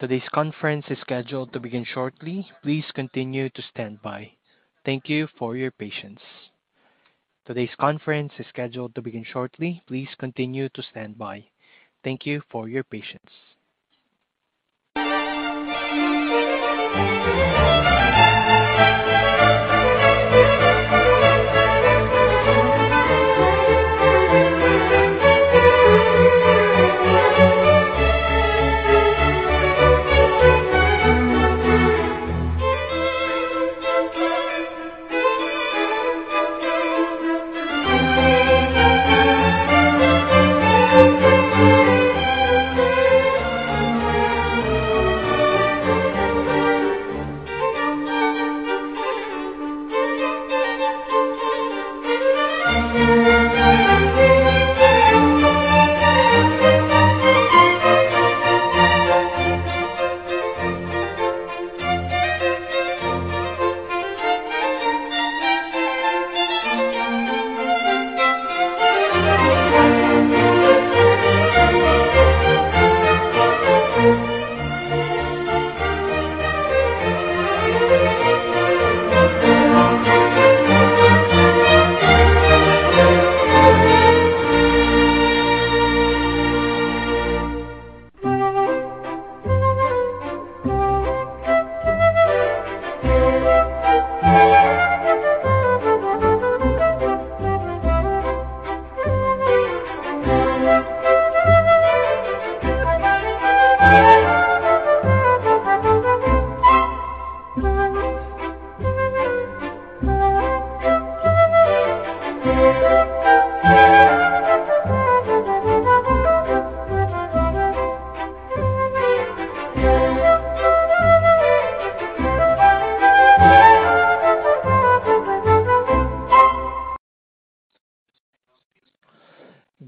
Today's conference is scheduled to begin shortly. Please continue to stand by. Thank you for your patience. Today's conference is scheduled to begin shortly. Please continue to stand by. Thank you for your patience.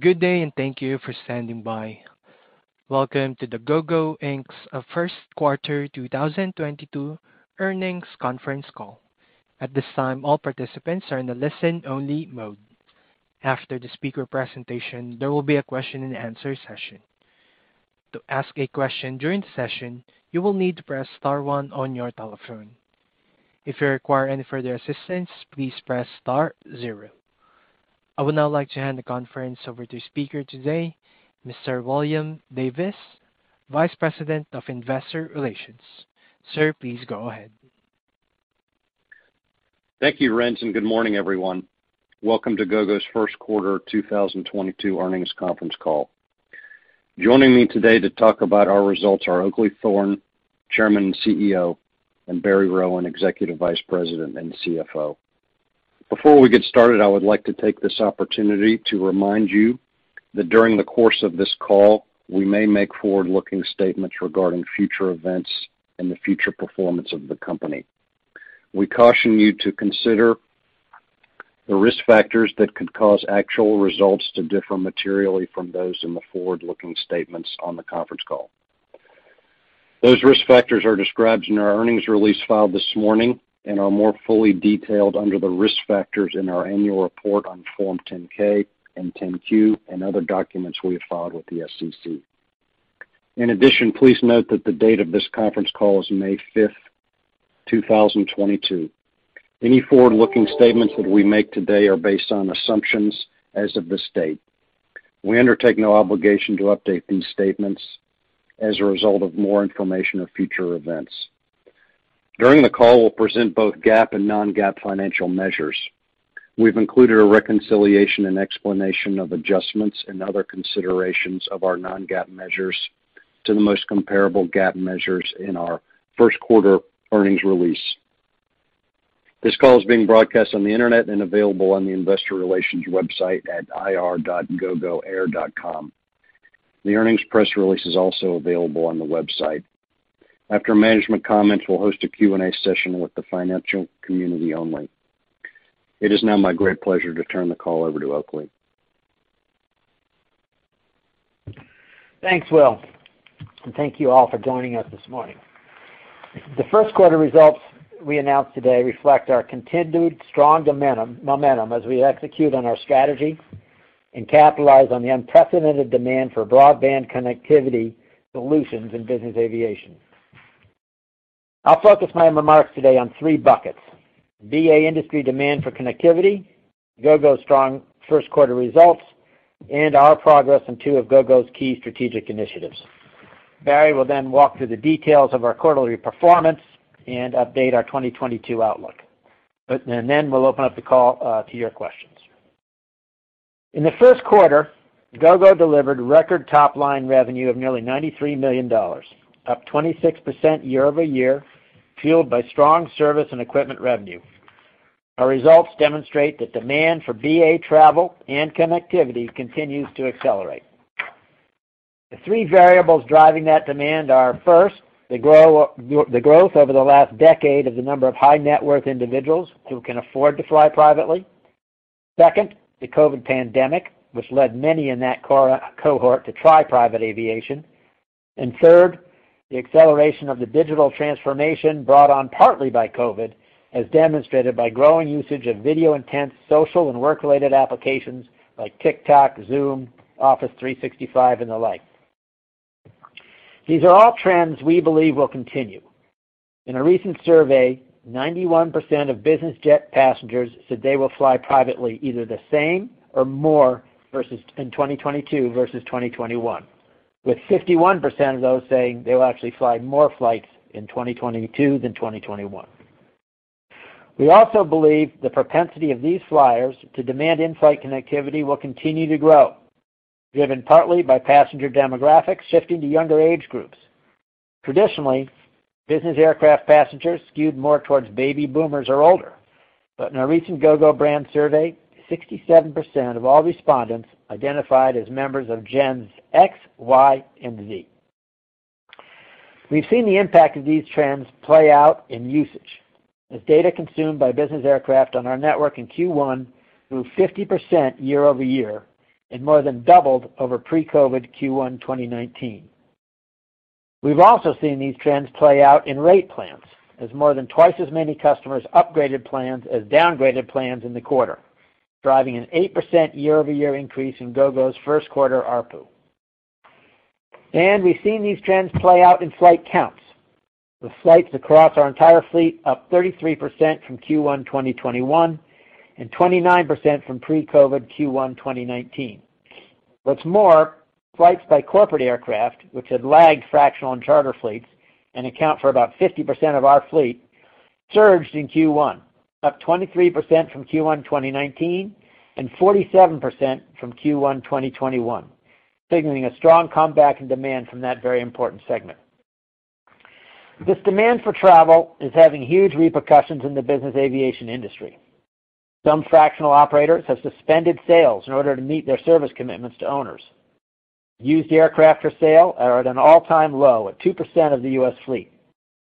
Good day, and thank you for standing by. Welcome to the Gogo Inc's First Quarter 2022 Earnings Conference Call. At this time, all participants are in a listen-only mode. After the speaker presentation, there will be a question-and-answer session. To ask a question during the session, you will need to press star one on your telephone. If you require any further assistance, please press star zero. I would now like to hand the conference over to the speaker today, Mr. William Davis, Vice President of Investor Relations. Sir, please go ahead. Thank you, Renz, and good morning, everyone. Welcome to Gogo's First Quarter 2022 Earnings Conference Call. Joining me today to talk about our results are Oakleigh Thorne, Chairman and CEO, and Barry Rowan, Executive Vice President and CFO. Before we get started, I would like to take this opportunity to remind you that during the course of this call, we may make forward-looking statements regarding future events and the future performance of the company. We caution you to consider the risk factors that could cause actual results to differ materially from those in the forward-looking statements on the conference call. Those risk factors are described in our earnings release filed this morning and are more fully detailed under the risk factors in our annual report on Form 10-K and 10-Q and other documents we have filed with the SEC. In addition, please note that the date of this conference call is May 5th, 2022. Any forward-looking statements that we make today are based on assumptions as of this date. We undertake no obligation to update these statements as a result of more information of future events. During the call, we'll present both GAAP and non-GAAP financial measures. We've included a reconciliation and explanation of adjustments and other considerations of our non-GAAP measures to the most comparable GAAP measures in our first quarter earnings release. This call is being broadcast on the Internet and available on the investor relations website at ir.gogoair.com. The earnings press release is also available on the website. After management comments, we'll host a Q&A session with the financial community only. It is now my great pleasure to turn the call over to Oakleigh. Thanks, Will, and thank you all for joining us this morning. The first quarter results we announced today reflect our continued strong momentum as we execute on our strategy and capitalize on the unprecedented demand for broadband connectivity solutions in business aviation. I'll focus my remarks today on three buckets. BA industry demand for connectivity, Gogo's strong first quarter results, and our progress on two of Gogo's key strategic initiatives. Barry will then walk through the details of our quarterly performance and update our 2022 outlook. We'll open up the call to your questions. In the first quarter, Gogo delivered record top line revenue of nearly $93 million, up 26% year-over-year, fueled by strong service and equipment revenue. Our results demonstrate that demand for BA travel and connectivity continues to accelerate. The three variables driving that demand are, first, the growth over the last decade of the number of high net worth individuals who can afford to fly privately. Second, the COVID pandemic, which led many in that cohort to try private aviation. Third, the acceleration of the digital transformation brought on partly by COVID, as demonstrated by growing usage of video-intense social and work-related applications like TikTok, Zoom, Office 365, and the like. These are all trends we believe will continue. In a recent survey, 91% of business jet passengers said they will fly privately either the same or more versus in 2022 versus 2021, with 51% of those saying they will actually fly more flights in 2022 than 2021. We also believe the propensity of these flyers to demand in-flight connectivity will continue to grow, driven partly by passenger demographics shifting to younger age groups. Traditionally, business aircraft passengers skewed more towards baby boomers or older, but in a recent Gogo brand survey, 67% of all respondents identified as members of Gen X, Y, and Z. We've seen the impact of these trends play out in usage as data consumed by business aircraft on our network in Q1 grew 50% year-over-year and more than doubled over pre-COVID Q1 2019. We've also seen these trends play out in rate plans as more than twice as many customers upgraded plans as downgraded plans in the quarter, driving an 8% year-over-year increase in Gogo's first quarter ARPU. We've seen these trends play out in flight counts, with flights across our entire fleet up 33% from Q1 2021 and 29% from pre-COVID Q1 2019. What's more, flights by corporate aircraft, which had lagged fractional and charter fleets and account for about 50% of our fleet, surged in Q1, up 23% from Q1 2019 and 47% from Q1 2021, signaling a strong comeback in demand from that very important segment. This demand for travel is having huge repercussions in the business aviation industry. Some fractional operators have suspended sales in order to meet their service commitments to owners. Used aircraft for sale are at an all-time low at 2% of the U.S. fleet.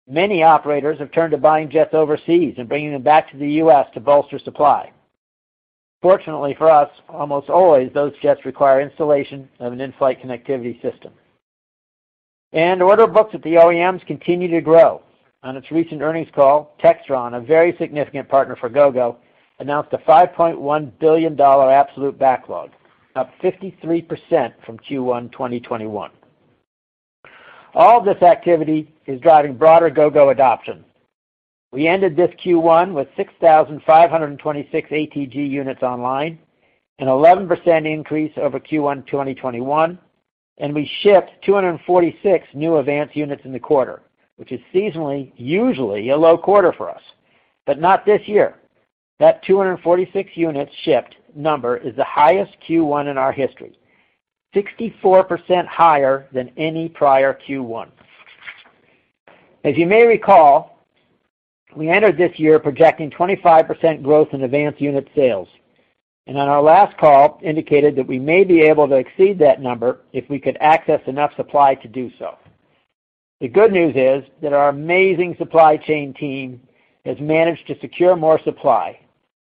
Many operators have turned to buying jets overseas and bringing them back to the U.S. to bolster supply. Fortunately for us, almost always those jets require installation of an in-flight connectivity system. Order books at the OEMs continue to grow. On its recent earnings call, Textron, a very significant partner for Gogo, announced a $5.1 billion absolute backlog, up 53% from Q1 2021. All this activity is driving broader Gogo adoption. We ended this Q1 with 6,525 ATG units online, an 11% increase over Q1 2021, and we shipped 246 new AVANCE units in the quarter, which is seasonally usually a low quarter for us. Not this year. That 246 units shipped number is the highest Q1 in our history, 64% higher than any prior Q1. As you may recall, we entered this year projecting 25% growth in AVANCE unit sales, and on our last call indicated that we may be able to exceed that number if we could access enough supply to do so. The good news is that our amazing supply chain team has managed to secure more supply,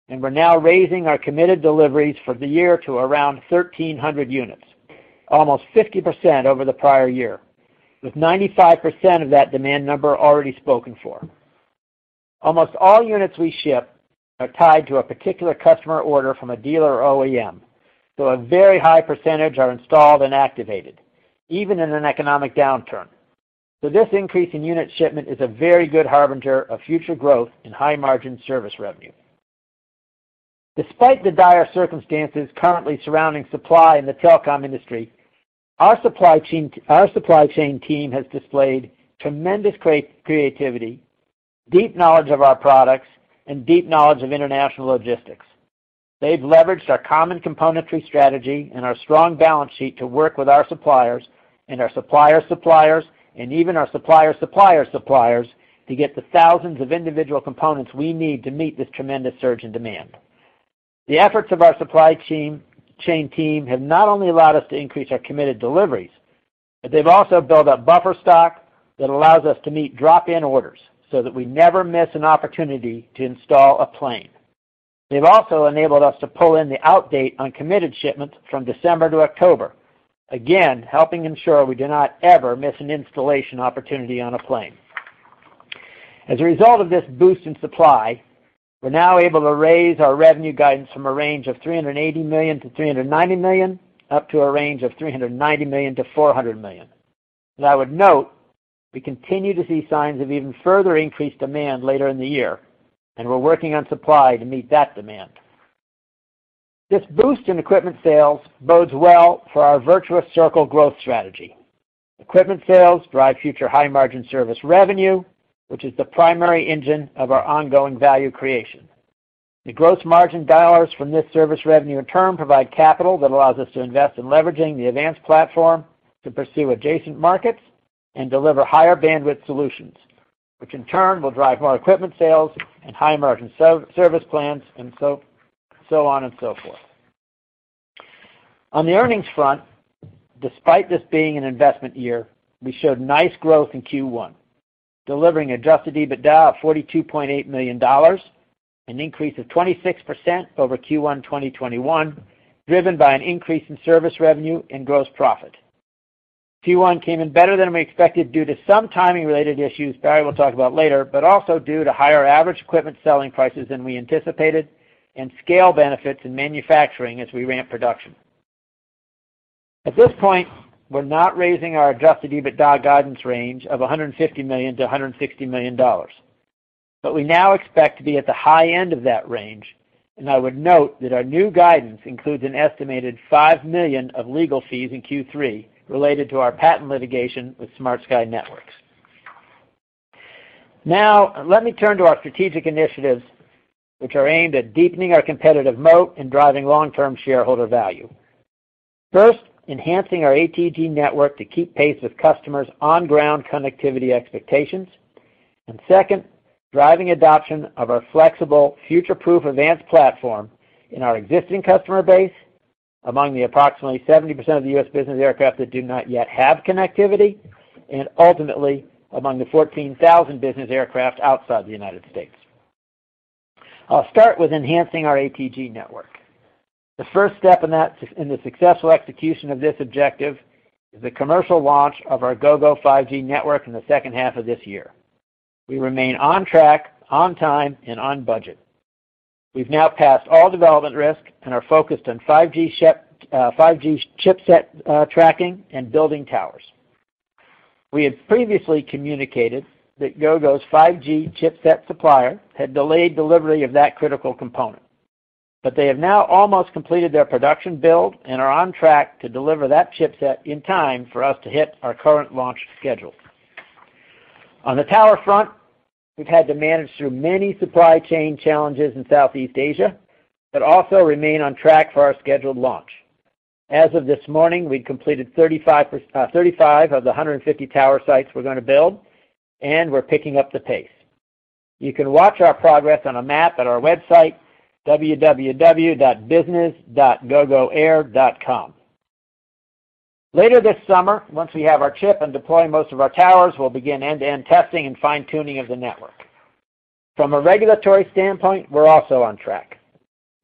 and we're now raising our committed deliveries for the year to around 1,300 units, almost 50% over the prior year, with 95% of that demand number already spoken for. Almost all units we ship are tied to a particular customer order from a dealer or OEM, so a very high percentage are installed and activated even in an economic downturn. This increase in unit shipment is a very good harbinger of future growth in high-margin service revenue. Despite the dire circumstances currently surrounding supply in the telecom industry, our supply chain team has displayed tremendous creativity, deep knowledge of our products, and deep knowledge of international logistics. They've leveraged our common componentry strategy and our strong balance sheet to work with our suppliers and our supplier's suppliers and even our supplier's supplier's suppliers to get the thousands of individual components we need to meet this tremendous surge in demand. The efforts of our supply chain team have not only allowed us to increase our committed deliveries, but they've also built a buffer stock that allows us to meet drop-in orders so that we never miss an opportunity to install on a plane. They've also enabled us to pull in the due date on committed shipments from December to October, again, helping ensure we do not ever miss an installation opportunity on a plane. As a result of this boost in supply, we're now able to raise our revenue guidance from a range of $380 million-$390 million up to a range of $390 million-$400 million. As I would note, we continue to see signs of even further increased demand later in the year, and we're working on supply to meet that demand. This boost in equipment sales bodes well for our virtuous circle growth strategy. Equipment sales drive future high-margin service revenue, which is the primary engine of our ongoing value creation. The gross margin dollars from this service revenue in turn provide capital that allows us to invest in leveraging the AVANCE platform to pursue adjacent markets and deliver higher bandwidth solutions, which in turn will drive more equipment sales and high-margin service plans and so on and so forth. On the earnings front, despite this being an investment year, we showed nice growth in Q1, delivering adjusted EBITDA of $42.8 million, an increase of 26% over Q1 2021, driven by an increase in service revenue and gross profit. Q1 came in better than we expected due to some timing-related issues Barry will talk about later, but also due to higher average equipment selling prices than we anticipated and scale benefits in manufacturing as we ramp production. At this point, we're not raising our adjusted EBITDA guidance range of $150 million-$160 million. We now expect to be at the high end of that range, and I would note that our new guidance includes an estimated $5 million of legal fees in Q3 related to our patent litigation with SmartSky Networks. Now let me turn to our strategic initiatives, which are aimed at deepening our competitive moat and driving long-term shareholder value. First, enhancing our ATG network to keep pace with customers' on-ground connectivity expectations. Second, driving adoption of our flexible future-proof AVANCE platform in our existing customer base, among the approximately 70% of the U.S. business aircraft that do not yet have connectivity, and ultimately among the 14,000 business aircraft outside the United States. I'll start with enhancing our ATG network. The first step in that, in the successful execution of this objective is the commercial launch of our Gogo 5G network in the second half of this year. We remain on track, on time, and on budget. We've now passed all development risk and are focused on 5G chipset, tracking and building towers. We had previously communicated that Gogo's 5G chipset supplier had delayed delivery of that critical component, but they have now almost completed their production build and are on track to deliver that chipset in time for us to hit our current launch schedule. On the tower front, we've had to manage through many supply chain challenges in Southeast Asia, but also remain on track for our scheduled launch. As of this morning, we'd completed 35 of the 150 tower sites we're gonna build, and we're picking up the pace. You can watch our progress on a map at our website, www.business.gogoair.com. Later this summer, once we have our chip and deploy most of our towers, we'll begin end-to-end testing and fine-tuning of the network. From a regulatory standpoint, we're also on track.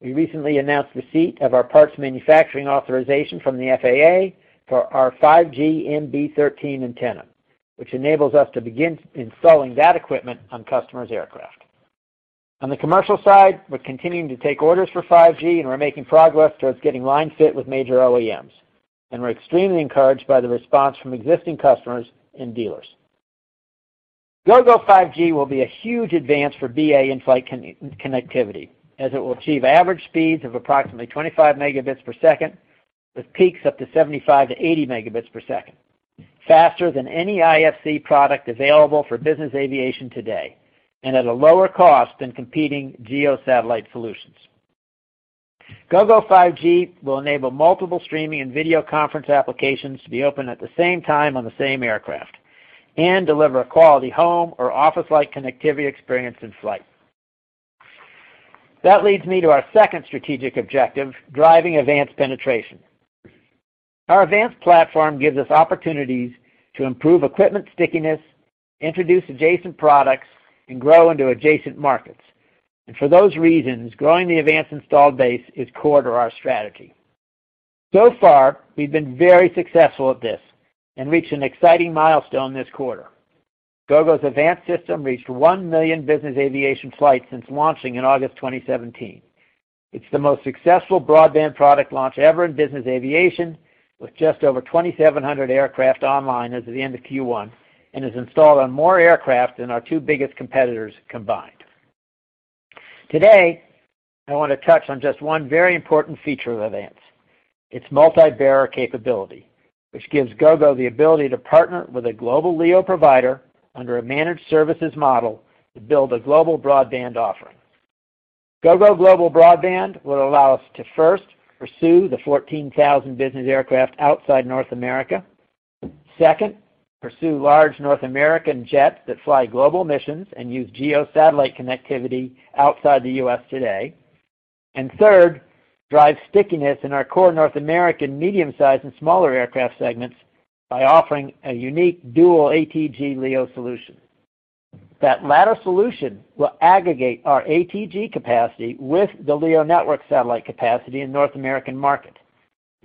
We recently announced receipt of our parts manufacturing authorization from the FAA for our 5G MB13 antenna, which enables us to begin installing that equipment on customers' aircraft. On the commercial side, we're continuing to take orders for 5G, and we're making progress towards getting line fit with major OEMs, and we're extremely encouraged by the response from existing customers and dealers. Gogo 5G will be a huge advance for BA in-flight connectivity as it will achieve average speeds of approximately 25 Mbps, with peaks up to 75-80 Mbps, faster than any IFC product available for business aviation today, and at a lower cost than competing GEO satellite solutions. Gogo 5G will enable multiple streaming and video conference applications to be open at the same time on the same aircraft and deliver a quality home or office-like connectivity experience in flight. That leads me to our second strategic objective, driving AVANCE penetration. Our AVANCE platform gives us opportunities to improve equipment stickiness, introduce adjacent products, and grow into adjacent markets. For those reasons, growing the AVANCE installed base is core to our strategy. So far, we've been very successful at this and reached an exciting milestone this quarter. Gogo's AVANCE system reached 1 million business aviation flights since launching in August 2017. It's the most successful broadband product launch ever in business aviation, with just over 2,700 aircraft online as of the end of Q1 and is installed on more aircraft than our two biggest competitors combined. Today, I wanna touch on just one very important feature of AVANCE, its multi-bearer capability, which gives Gogo the ability to partner with a global LEO provider under a managed services model to build a Global Broadband offering. Gogo Galileo Global Broadband will allow us to, first, pursue the 14,000 business aircraft outside North America. Second, pursue large North American jets that fly global missions and use GEO satellite connectivity outside the U.S. today. Third, drive stickiness in our core North American medium-sized and smaller aircraft segments by offering a unique dual ATG LEO solution. That latter solution will aggregate our ATG capacity with the LEO network satellite capacity in North American market,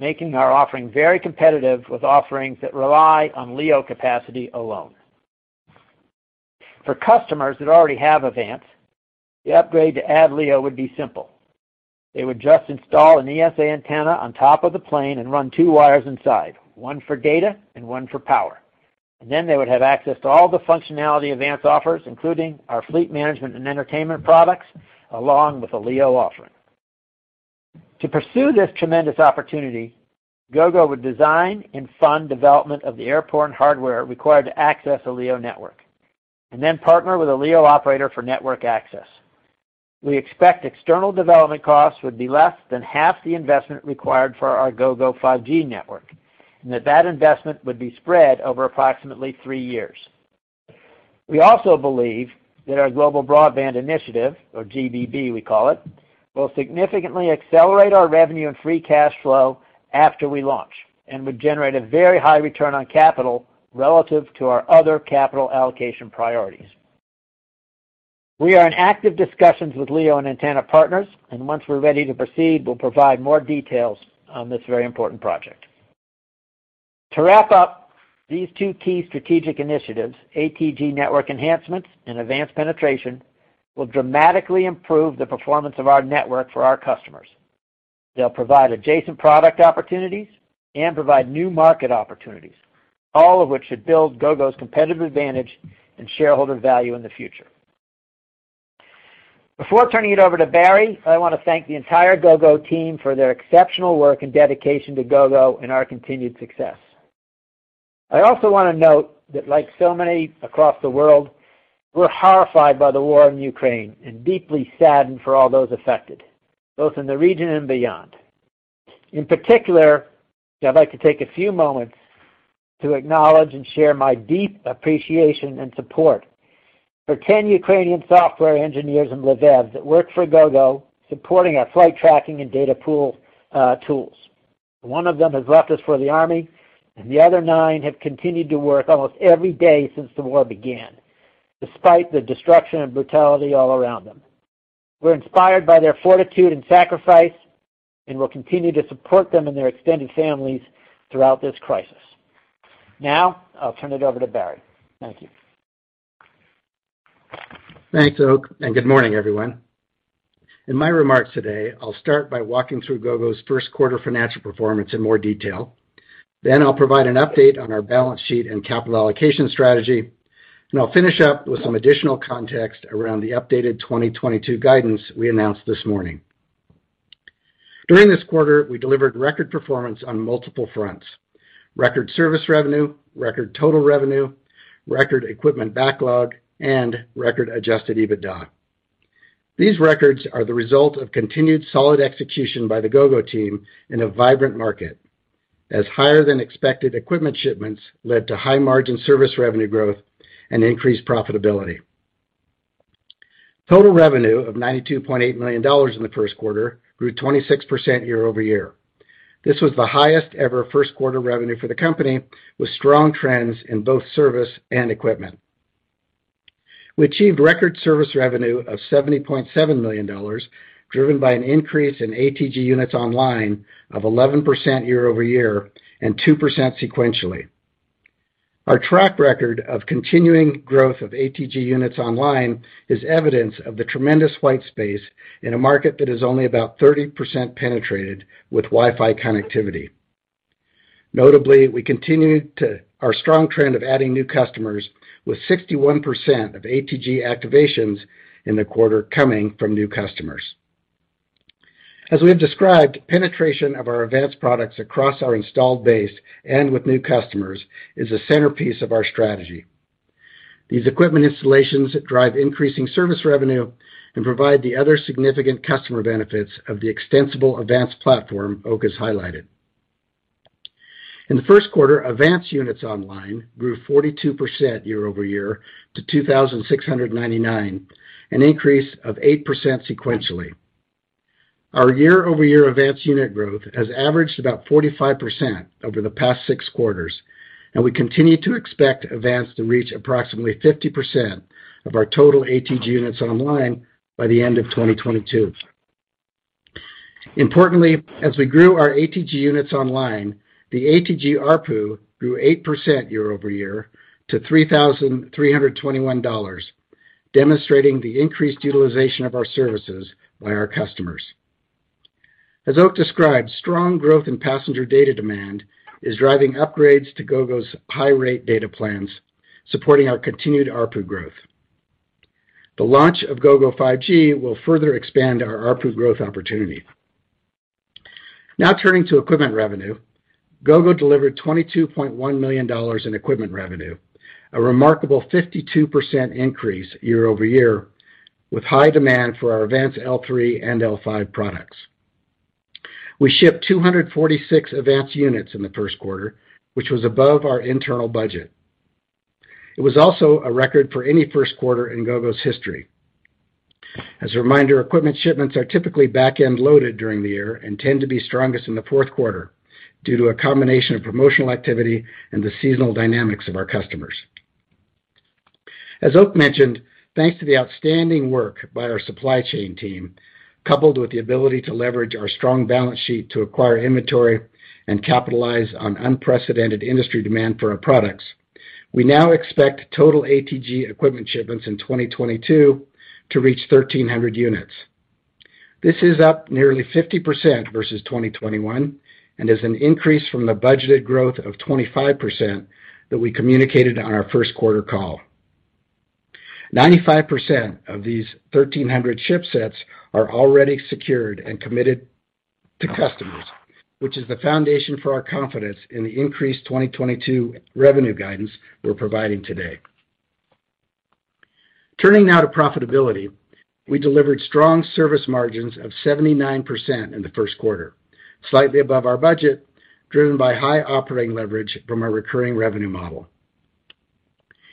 making our offering very competitive with offerings that rely on LEO capacity alone. For customers that already have AVANCE, the upgrade to add LEO would be simple. They would just install an ESA antenna on top of the plane and run two wires inside, one for data and one for power, and then they would have access to all the functionality AVANCE offers, including our fleet management and entertainment products, along with a LEO offering. To pursue this tremendous opportunity, Gogo would design and fund development of the airborne hardware required to access a LEO network and then partner with a LEO operator for network access. We expect external development costs would be less than half the investment required for our Gogo 5G network, and that investment would be spread over approximately three years. We also believe that our Global Broadband initiative, or GBB we call it, will significantly accelerate our revenue and free cash flow after we launch and would generate a very high return on capital relative to our other capital allocation priorities. We are in active discussions with LEO and antenna partners, and once we're ready to proceed, we'll provide more details on this very important project. To wrap up, these two key strategic initiatives, ATG network enhancements and AVANCE penetration, will dramatically improve the performance of our network for our customers. They'll provide adjacent product opportunities and provide new market opportunities, all of which should build Gogo's competitive advantage and shareholder value in the future. Before turning it over to Barry, I want to thank the entire Gogo team for their exceptional work and dedication to Gogo and our continued success. I also want to note that like so many across the world, we're horrified by the war in Ukraine and deeply saddened for all those affected, both in the region and beyond. In particular, I'd like to take a few moments to acknowledge and share my deep appreciation and support for 10 Ukrainian software engineers in Lviv that work for Gogo, supporting our flight tracking and data pool tools. One of them has left us for the Army, and the other nine have continued to work almost every day since the war began, despite the destruction and brutality all around them. We're inspired by their fortitude and sacrifice, and we'll continue to support them and their extended families throughout this crisis. Now, I'll turn it over to Barry. Thank you. Thanks, Oak, and good morning, everyone. In my remarks today, I'll start by walking through Gogo's first quarter financial performance in more detail. Then I'll provide an update on our balance sheet and capital allocation strategy, and I'll finish up with some additional context around the updated 2022 guidance we announced this morning. During this quarter, we delivered record performance on multiple fronts, record service revenue, record total revenue, record equipment backlog, and record adjusted EBITDA. These records are the result of continued solid execution by the Gogo team in a vibrant market, as higher-than-expected equipment shipments led to high-margin service revenue growth and increased profitability. Total revenue of $92.8 million in the first quarter grew 26% year-over-year. This was the highest ever first quarter revenue for the company, with strong trends in both service and equipment. We achieved record service revenue of $70.7 million, driven by an increase in ATG units online of 11% year-over-year and 2% sequentially. Our track record of continuing growth of ATG units online is evidence of the tremendous white space in a market that is only about 30% penetrated with Wi-Fi connectivity. Notably, we continued our strong trend of adding new customers with 61% of ATG activations in the quarter coming from new customers. As we have described, penetration of our AVANCE products across our installed base and with new customers is a centerpiece of our strategy. These equipment installations drive increasing service revenue and provide the other significant customer benefits of the extensible AVANCE platform Oak has highlighted. In the first quarter, AVANCE units online grew 42% year over year to 2,699, an increase of 8% sequentially. Our year-over-year AVANCE unit growth has averaged about 45% over the past six quarters, and we continue to expect AVANCE to reach approximately 50% of our total ATG units online by the end of 2022. Importantly, as we grew our ATG units online, the ATG ARPU grew 8% year over year to $3,321, demonstrating the increased utilization of our services by our customers. As Oak described, strong growth in passenger data demand is driving upgrades to Gogo's high rate data plans, supporting our continued ARPU growth. The launch of Gogo 5G will further expand our ARPU growth opportunity. Now turning to equipment revenue. Gogo delivered $22.1 million in equipment revenue, a remarkable 52% increase year-over-year, with high demand for our AVANCE L3 and L5 products. We shipped 246 AVANCE units in the first quarter, which was above our internal budget. It was also a record for any first quarter in Gogo's history. As a reminder, equipment shipments are typically back-end loaded during the year and tend to be strongest in the fourth quarter due to a combination of promotional activity and the seasonal dynamics of our customers. As Oakleigh mentioned, thanks to the outstanding work by our supply chain team, coupled with the ability to leverage our strong balance sheet to acquire inventory and capitalize on unprecedented industry demand for our products, we now expect total ATG equipment shipments in 2022 to reach 1,300 units. This is up nearly 50% versus 2021 and is an increase from the budgeted growth of 25% that we communicated on our first quarter call. 95% of these 1,300 ship sets are already secured and committed to customers, which is the foundation for our confidence in the increased 2022 revenue guidance we're providing today. Turning now to profitability. We delivered strong service margins of 79% in the first quarter, slightly above our budget, driven by high operating leverage from our recurring revenue model.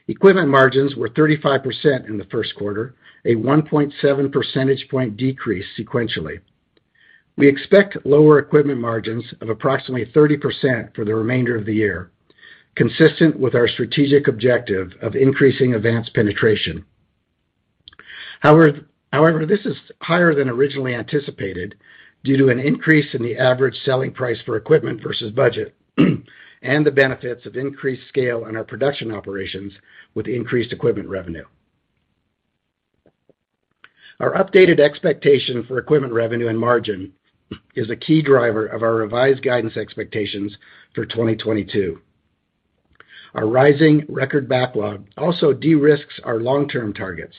Equipment margins were 35% in the first quarter, a 1.7 percentage point decrease sequentially. We expect lower equipment margins of approximately 30% for the remainder of the year, consistent with our strategic objective of increasing AVANCE penetration. However, this is higher than originally anticipated due to an increase in the average selling price for equipment versus budget, and the benefits of increased scale on our production operations with increased equipment revenue. Our updated expectation for equipment revenue and margin is a key driver of our revised guidance expectations for 2022. Our rising record backlog also de-risks our long-term targets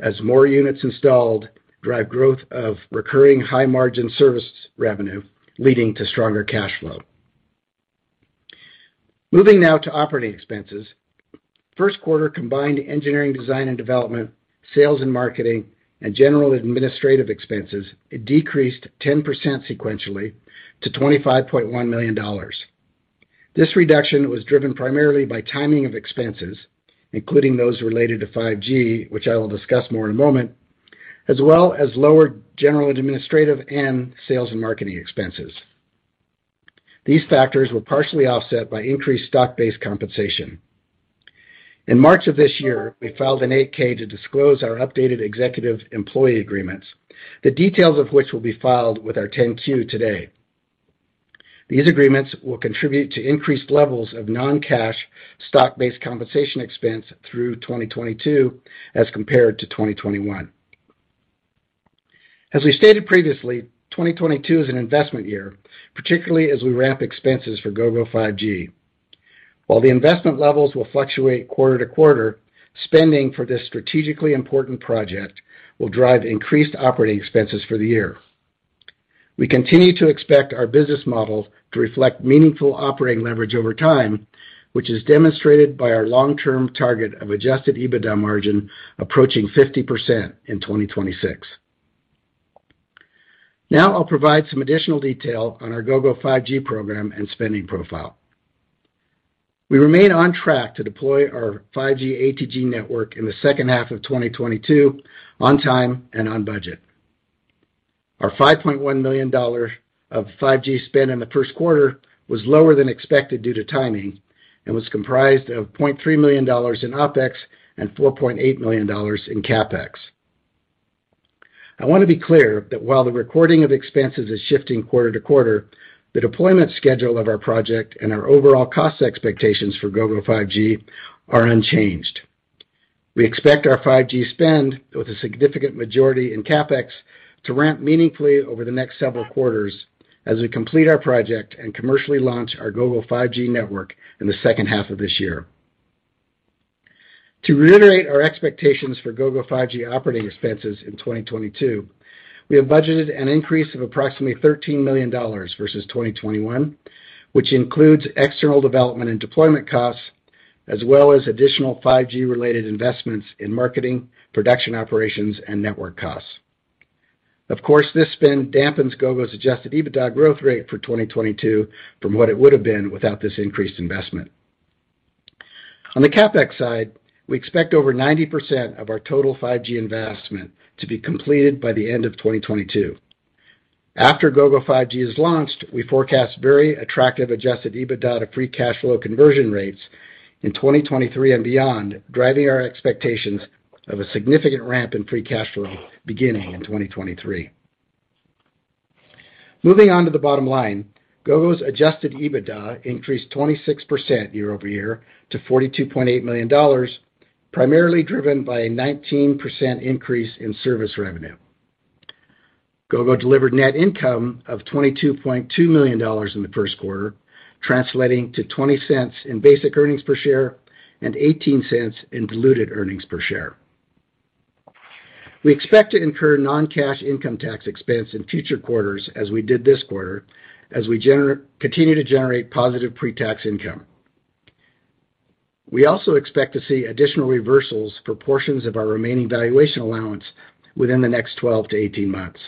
as more units installed drive growth of recurring high-margin service revenue, leading to stronger cash flow. Moving now to operating expenses. First quarter combined engineering design and development, sales and marketing, and general administrative expenses decreased 10% sequentially to $25.1 million. This reduction was driven primarily by timing of expenses, including those related to 5G, which I will discuss more in a moment, as well as lower general administrative and sales and marketing expenses. These factors were partially offset by increased stock-based compensation. In March of this year, we filed an 8-K to disclose our updated executive employee agreements, the details of which will be filed with our 10-Q today. These agreements will contribute to increased levels of non-cash stock-based compensation expense through 2022 as compared to 2021. As we stated previously, 2022 is an investment year, particularly as we ramp expenses for Gogo 5G. While the investment levels will fluctuate quarter to quarter, spending for this strategically important project will drive increased operating expenses for the year. We continue to expect our business model to reflect meaningful operating leverage over time, which is demonstrated by our long-term target of adjusted EBITDA margin approaching 50% in 2026. Now I'll provide some additional detail on our Gogo 5G program and spending profile. We remain on track to deploy our 5G ATG network in the second half of 2022 on time and on budget. Our $5.1 million of 5G spend in the first quarter was lower than expected due to timing and was comprised of $0.3 million in OpEx and $4.8 million in CapEx. I want to be clear that while the recording of expenses is shifting quarter to quarter, the deployment schedule of our project and our overall cost expectations for Gogo 5G are unchanged. We expect our 5G spend, with a significant majority in CapEx, to ramp meaningfully over the next several quarters as we complete our project and commercially launch our Gogo 5G network in the second half of this year. To reiterate our expectations for Gogo 5G operating expenses in 2022, we have budgeted an increase of approximately $13 million versus 2021, which includes external development and deployment costs as well as additional 5G-related investments in marketing, production operations, and network costs. Of course, this spend dampens Gogo's adjusted EBITDA growth rate for 2022 from what it would have been without this increased investment. On the CapEx side, we expect over 90% of our total 5G investment to be completed by the end of 2022. After Gogo 5G is launched, we forecast very attractive adjusted EBITDA to free cash flow conversion rates in 2023 and beyond, driving our expectations of a significant ramp in free cash flow beginning in 2023. Moving on to the bottom line, Gogo's adjusted EBITDA increased 26% year over year to $42.8 million, primarily driven by a 19% increase in service revenue. Gogo delivered net income of $22.2 million in the first quarter, translating to $0.20 in basic earnings per share and $0.18 in diluted earnings per share. We expect to incur non-cash income tax expense in future quarters as we did this quarter as we continue to generate positive pre-tax income. We also expect to see additional reversals for portions of our remaining valuation allowance within the next 12-18 months.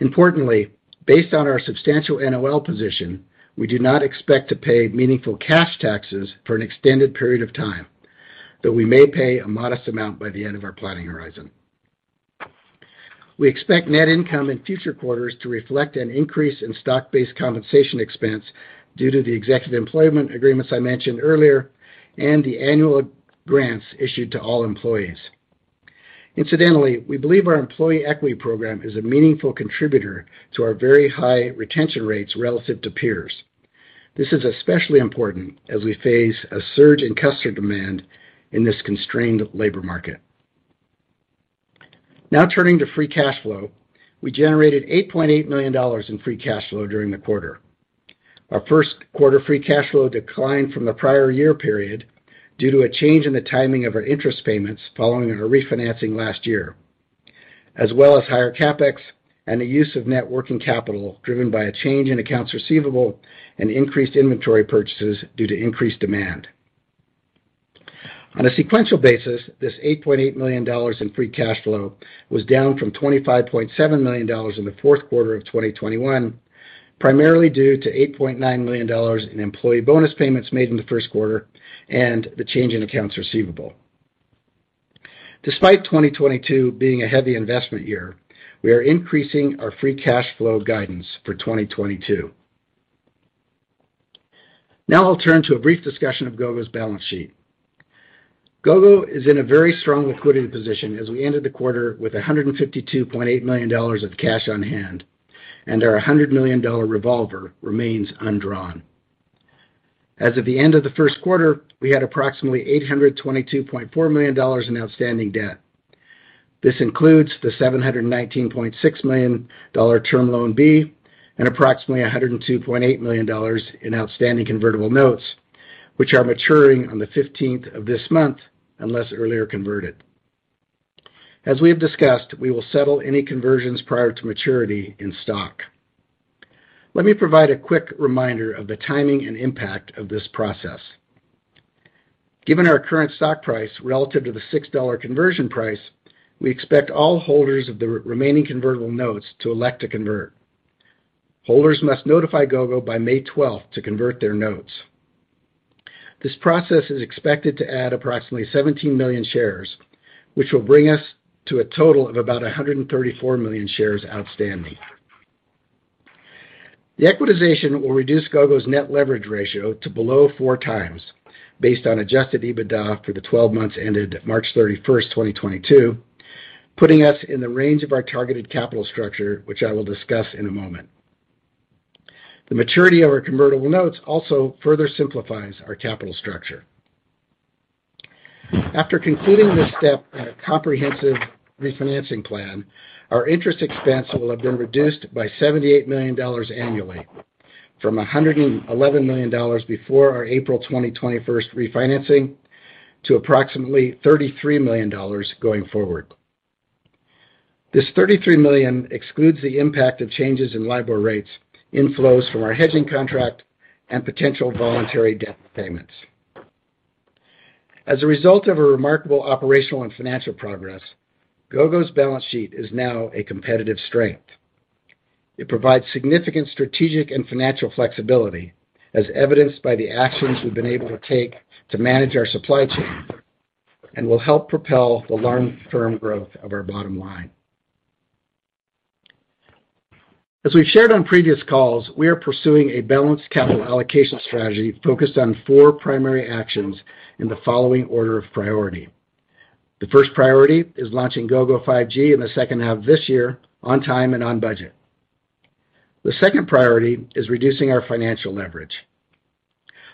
Importantly, based on our substantial NOL position, we do not expect to pay meaningful cash taxes for an extended period of time, though we may pay a modest amount by the end of our planning horizon. We expect net income in future quarters to reflect an increase in stock-based compensation expense due to the executive employment agreements I mentioned earlier and the annual grants issued to all employees. Incidentally, we believe our employee equity program is a meaningful contributor to our very high retention rates relative to peers. This is especially important as we face a surge in customer demand in this constrained labor market. Now turning to free cash flow. We generated $8.8 million in free cash flow during the quarter. Our first quarter free cash flow declined from the prior year period due to a change in the timing of our interest payments following our refinancing last year, as well as higher CapEx and the use of net working capital driven by a change in accounts receivable and increased inventory purchases due to increased demand. On a sequential basis, this $8.8 million in free cash flow was down from $25.7 million in the fourth quarter of 2021, primarily due to $8.9 million in employee bonus payments made in the first quarter and the change in accounts receivable. Despite 2022 being a heavy investment year, we are increasing our free cash flow guidance for 2022. Now I'll turn to a brief discussion of Gogo's balance sheet. Gogo is in a very strong liquidity position as we ended the quarter with $152.8 million of cash on hand, and our $100 million revolver remains undrawn. As of the end of the first quarter, we had approximately $822.4 million in outstanding debt. This includes the $719.6 million Term Loan B, and approximately $102.8 million in outstanding convertible notes, which are maturing on the 15th of this month, unless earlier converted. As we have discussed, we will settle any conversions prior to maturity in stock. Let me provide a quick reminder of the timing and impact of this process. Given our current stock price relative to the $6 conversion price, we expect all holders of the remaining convertible notes to elect to convert. Holders must notify Gogo by May 12th to convert their notes. This process is expected to add approximately 17 million shares, which will bring us to a total of about 134 million shares outstanding. The equitization will reduce Gogo's net leverage ratio to below 4x based on adjusted EBITDA for the 12 months ended March 31st, 2022, putting us in the range of our targeted capital structure, which I will discuss in a moment. The maturity of our convertible notes also further simplifies our capital structure. After completing this step in our comprehensive refinancing plan, our interest expense will have been reduced by $78 million annually from $111 million before our April 2021 refinancing to approximately $33 million going forward. This $33 million excludes the impact of changes in LIBOR rates, inflows from our hedging contract, and potential voluntary debt payments. As a result of a remarkable operational and financial progress, Gogo's balance sheet is now a competitive strength. It provides significant strategic and financial flexibility, as evidenced by the actions we've been able to take to manage our supply chain, and will help propel the long-term growth of our bottom line. As we've shared on previous calls, we are pursuing a balanced capital allocation strategy focused on four primary actions in the following order of priority. The first priority is launching Gogo 5G in the second half of this year on time and on budget. The second priority is reducing our financial leverage.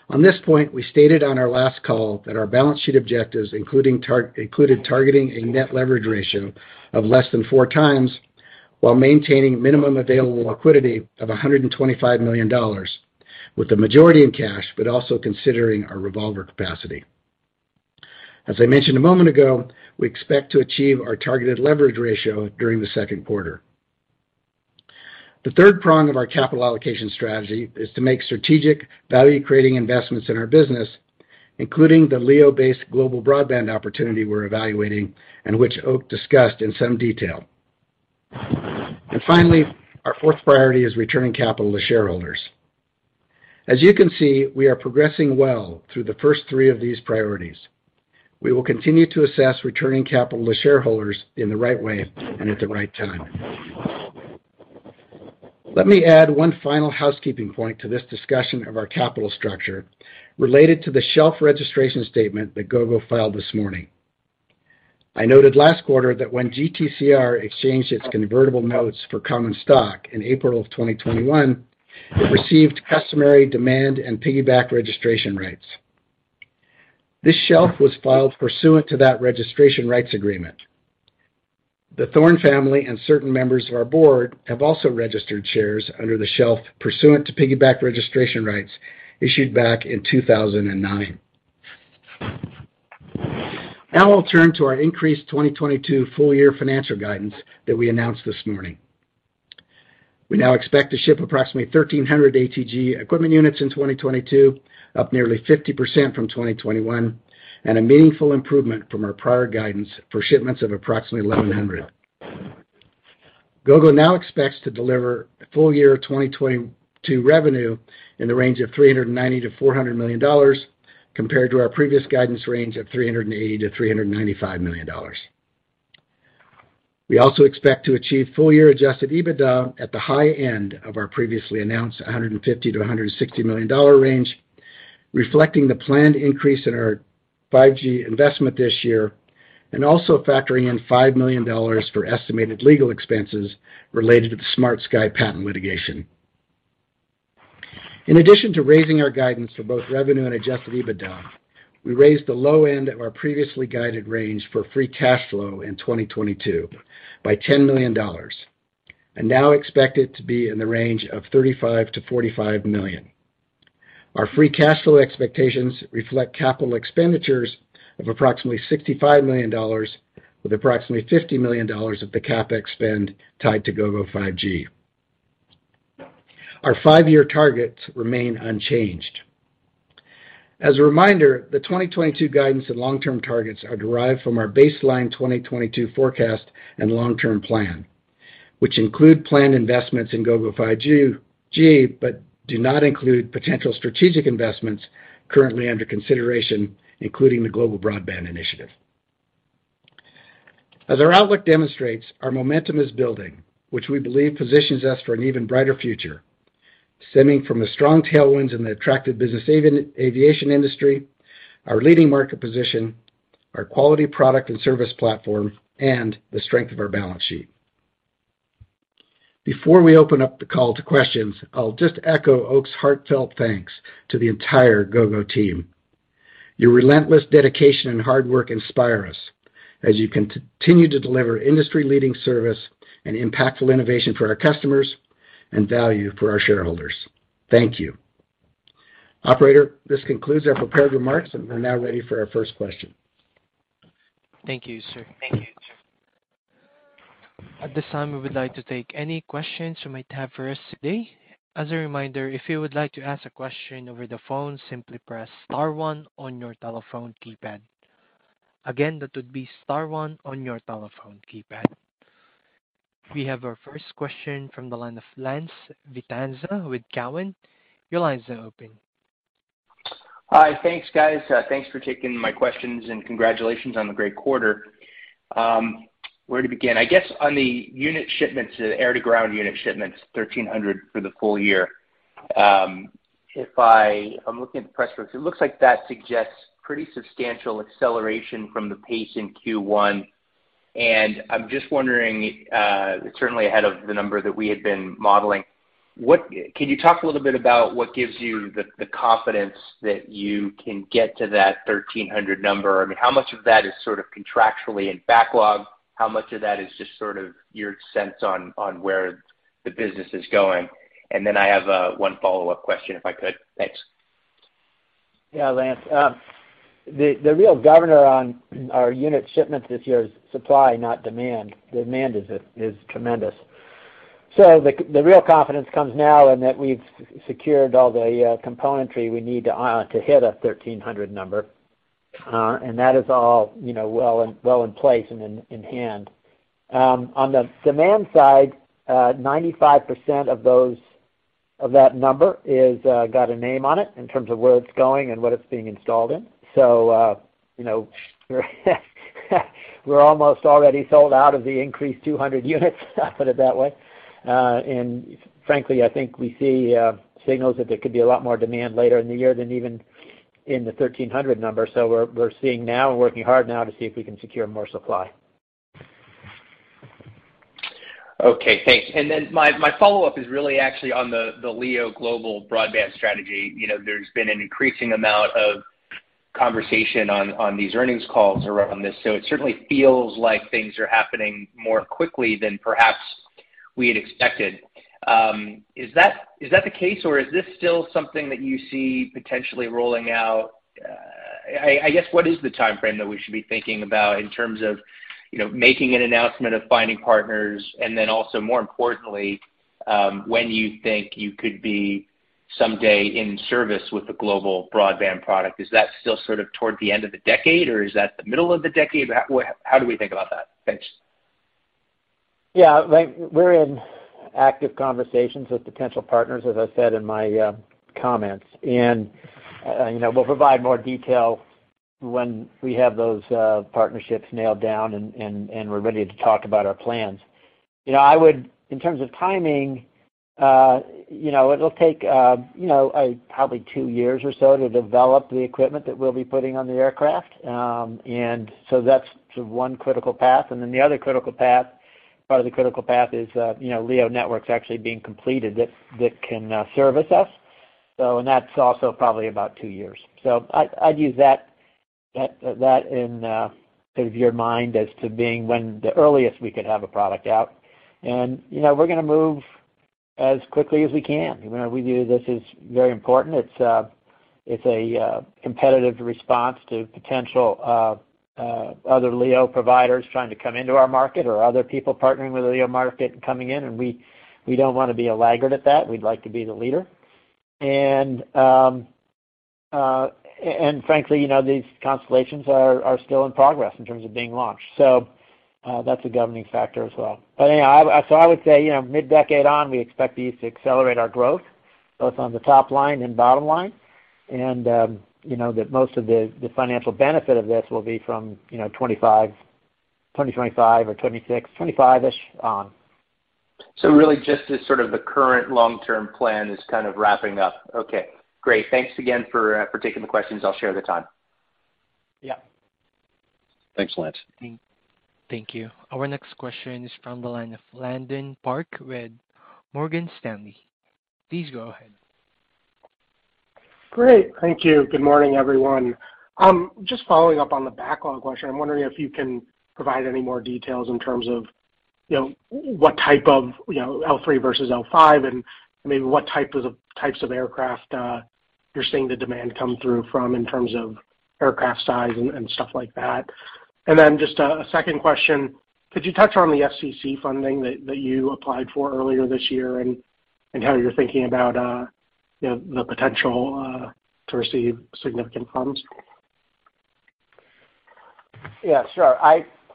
On this point, we stated on our last call that our balance sheet objectives, including including targeting a net leverage ratio of less than 4x while maintaining minimum available liquidity of $125 million with the majority in cash, but also considering our revolver capacity. As I mentioned a moment ago, we expect to achieve our targeted leverage ratio during the second quarter. The third prong of our capital allocation strategy is to make strategic value-creating investments in our business, including the LEO-based Global Broadband opportunity we're evaluating and which Oak discussed in some detail. Finally, our fourth priority is returning capital to shareholders. As you can see, we are progressing well through the first three of these priorities. We will continue to assess returning capital to shareholders in the right way and at the right time. Let me add one final housekeeping point to this discussion of our capital structure related to the shelf registration statement that Gogo filed this morning. I noted last quarter that when GTCR exchanged its convertible notes for common stock in April of 2021, it received customary demand and piggyback registration rights. This shelf was filed pursuant to that registration rights agreement. The Thorne family and certain members of our board have also registered shares under the shelf pursuant to piggyback registration rights issued back in 2009. Now I'll turn to our increased 2022 full year financial guidance that we announced this morning. We now expect to ship approximately 1,300 ATG equipment units in 2022, up nearly 50% from 2021, and a meaningful improvement from our prior guidance for shipments of approximately 1,100. Gogo now expects to deliver full-year 2022 revenue in the range of $390 million-$400 million, compared to our previous guidance range of $380 million-$395 million. We also expect to achieve full-year adjusted EBITDA at the high end of our previously announced $150 million-$160 million range, reflecting the planned increase in our 5G investment this year, and also factoring in $5 million for estimated legal expenses related to the SmartSky patent litigation. In addition to raising our guidance for both revenue and adjusted EBITDA, we raised the low end of our previously guided range for free cash flow in 2022 by $10 million, and now expect it to be in the range of $35 million-$45 million. Our free cash flow expectations reflect capital expenditures of approximately $65 million, with approximately $50 million of the CapEx spend tied to Gogo 5G. Our five-year targets remain unchanged. As a reminder, the 2022 guidance and long-term targets are derived from our baseline 2022 forecast and long-term plan, which include planned investments in Gogo 5G, but do not include potential strategic investments currently under consideration, including the Global Broadband initiative. As our outlook demonstrates, our momentum is building, which we believe positions us for an even brighter future, stemming from the strong tailwinds in the attractive business aviation industry, our leading market position, our quality product and service platform, and the strength of our balance sheet. Before we open up the call to questions, I'll just echo Oak's heartfelt thanks to the entire Gogo team. Your relentless dedication and hard work inspire us as you continue to deliver industry-leading service and impactful innovation for our customers and value for our shareholders. Thank you. Operator, this concludes our prepared remarks, and we're now ready for our first question. Thank you, sir. Thank you. At this time, we would like to take any questions you might have for us today. As a reminder, if you would like to ask a question over the phone, simply press star one on your telephone keypad. Again, that would be star one on your telephone keypad. We have our first question from the line of Lance Vitanza with Cowen. Your line is now open. Hi. Thanks, guys. Thanks for taking my questions and congratulations on the great quarter. Where to begin? I guess on the unit shipments, air-to-ground unit shipments, 1,300 for the full year. I'm looking at the press release, it looks like that suggests pretty substantial acceleration from the pace in Q1. I'm just wondering, certainly ahead of the number that we had been modeling, can you talk a little bit about what gives you the confidence that you can get to that 1,300 number? I mean, how much of that is sort of contractually in backlog? How much of that is just sort of your sense on where the business is going? Then I have one follow-up question, if I could. Thanks. Yeah, Lance. The real governor on our unit shipments this year is supply, not demand. Demand is tremendous. The real confidence comes now in that we've secured all the componentry we need to hit a 1,300 number. That is all, you know, well in place and in hand. On the demand side, 95% of that number is got a name on it in terms of where it's going and what it's being installed in. You know, we're almost already sold out of the increased 200 units, I'll put it that way. Frankly, I think we see signals that there could be a lot more demand later in the year than even in the 1,300 number. We're seeing now and working hard now to see if we can secure more supply. Okay, thanks. My follow-up is really actually on the LEO Global Broadband strategy. You know, there's been an increasing amount of conversation on these earnings calls around this. It certainly feels like things are happening more quickly than perhaps we had expected. Is that the case, or is this still something that you see potentially rolling out? I guess, what is the timeframe that we should be thinking about in terms of, you know, making an announcement of finding partners, and then also more importantly, when you think you could be someday in service with the Global Broadband product? Is that still sort of toward the end of the decade, or is that the middle of the decade? How do we think about that? Thanks. Yeah. Like, we're in active conversations with potential partners, as I said in my comments. you know, we'll provide more detail when we have those partnerships nailed down and we're ready to talk about our plans. You know, in terms of timing, you know, it'll take you know probably two years or so to develop the equipment that we'll be putting on the aircraft. that's sort of one critical path. the other critical path, part of the critical path is, you know, LEO networks actually being completed that can service us. that's also probably about two years. I'd use that in sort of your mind as to being when the earliest we could have a product out. You know, we're gonna move as quickly as we can. You know, we view this as very important. It's a competitive response to potential other LEO providers trying to come into our market or other people partnering with the LEO market and coming in, and we don't wanna be a laggard at that. We'd like to be the leader. Frankly, you know, these constellations are still in progress in terms of being launched. That's a governing factor as well. Anyhow, I would say, you know, mid-decade on, we expect these to accelerate our growth, both on the top line and bottom line. You know, that most of the financial benefit of this will be from 2025 or 2026, 2025-ish on. Really just as sort of the current long-term plan is kind of wrapping up. Okay, great. Thanks again for taking the questions. I'll share the time. Yeah. Thanks, Lance. Thank you. Thank you. Our next question is from the line of Landon Park with Morgan Stanley. Please go ahead. Great. Thank you. Good morning, everyone. Just following up on the backlog question, I'm wondering if you can provide any more details in terms of, you know, what type of, you know, L3 versus L5 and maybe types of aircraft you're seeing the demand come through from in terms of aircraft size and stuff like that. Then just a second question, could you touch on the FCC funding that you applied for earlier this year and how you're thinking about, you know, the potential to receive significant funds? Yeah, sure.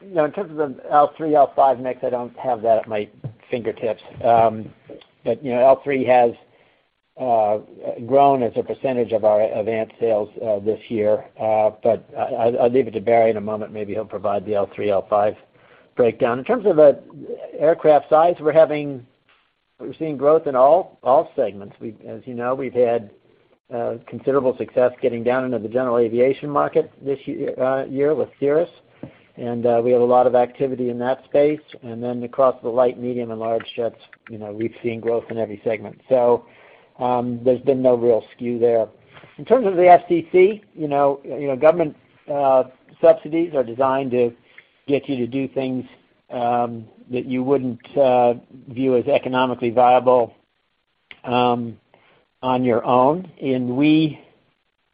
You know, in terms of the L3, L5 mix, I don't have that at my fingertips. You know, L3 has grown as a percentage of our AVANCE sales this year. I'll leave it to Barry in a moment, maybe he'll provide the L3, L5 breakdown. In terms of aircraft size, we're seeing growth in all segments. As you know, we've had considerable success getting down into the general aviation market this year with Cirrus, and we have a lot of activity in that space. Across the light, medium, and large jets, you know, we've seen growth in every segment. There's been no real skew there. In terms of the FCC, you know, government subsidies are designed to get you to do things that you wouldn't view as economically viable on your own. We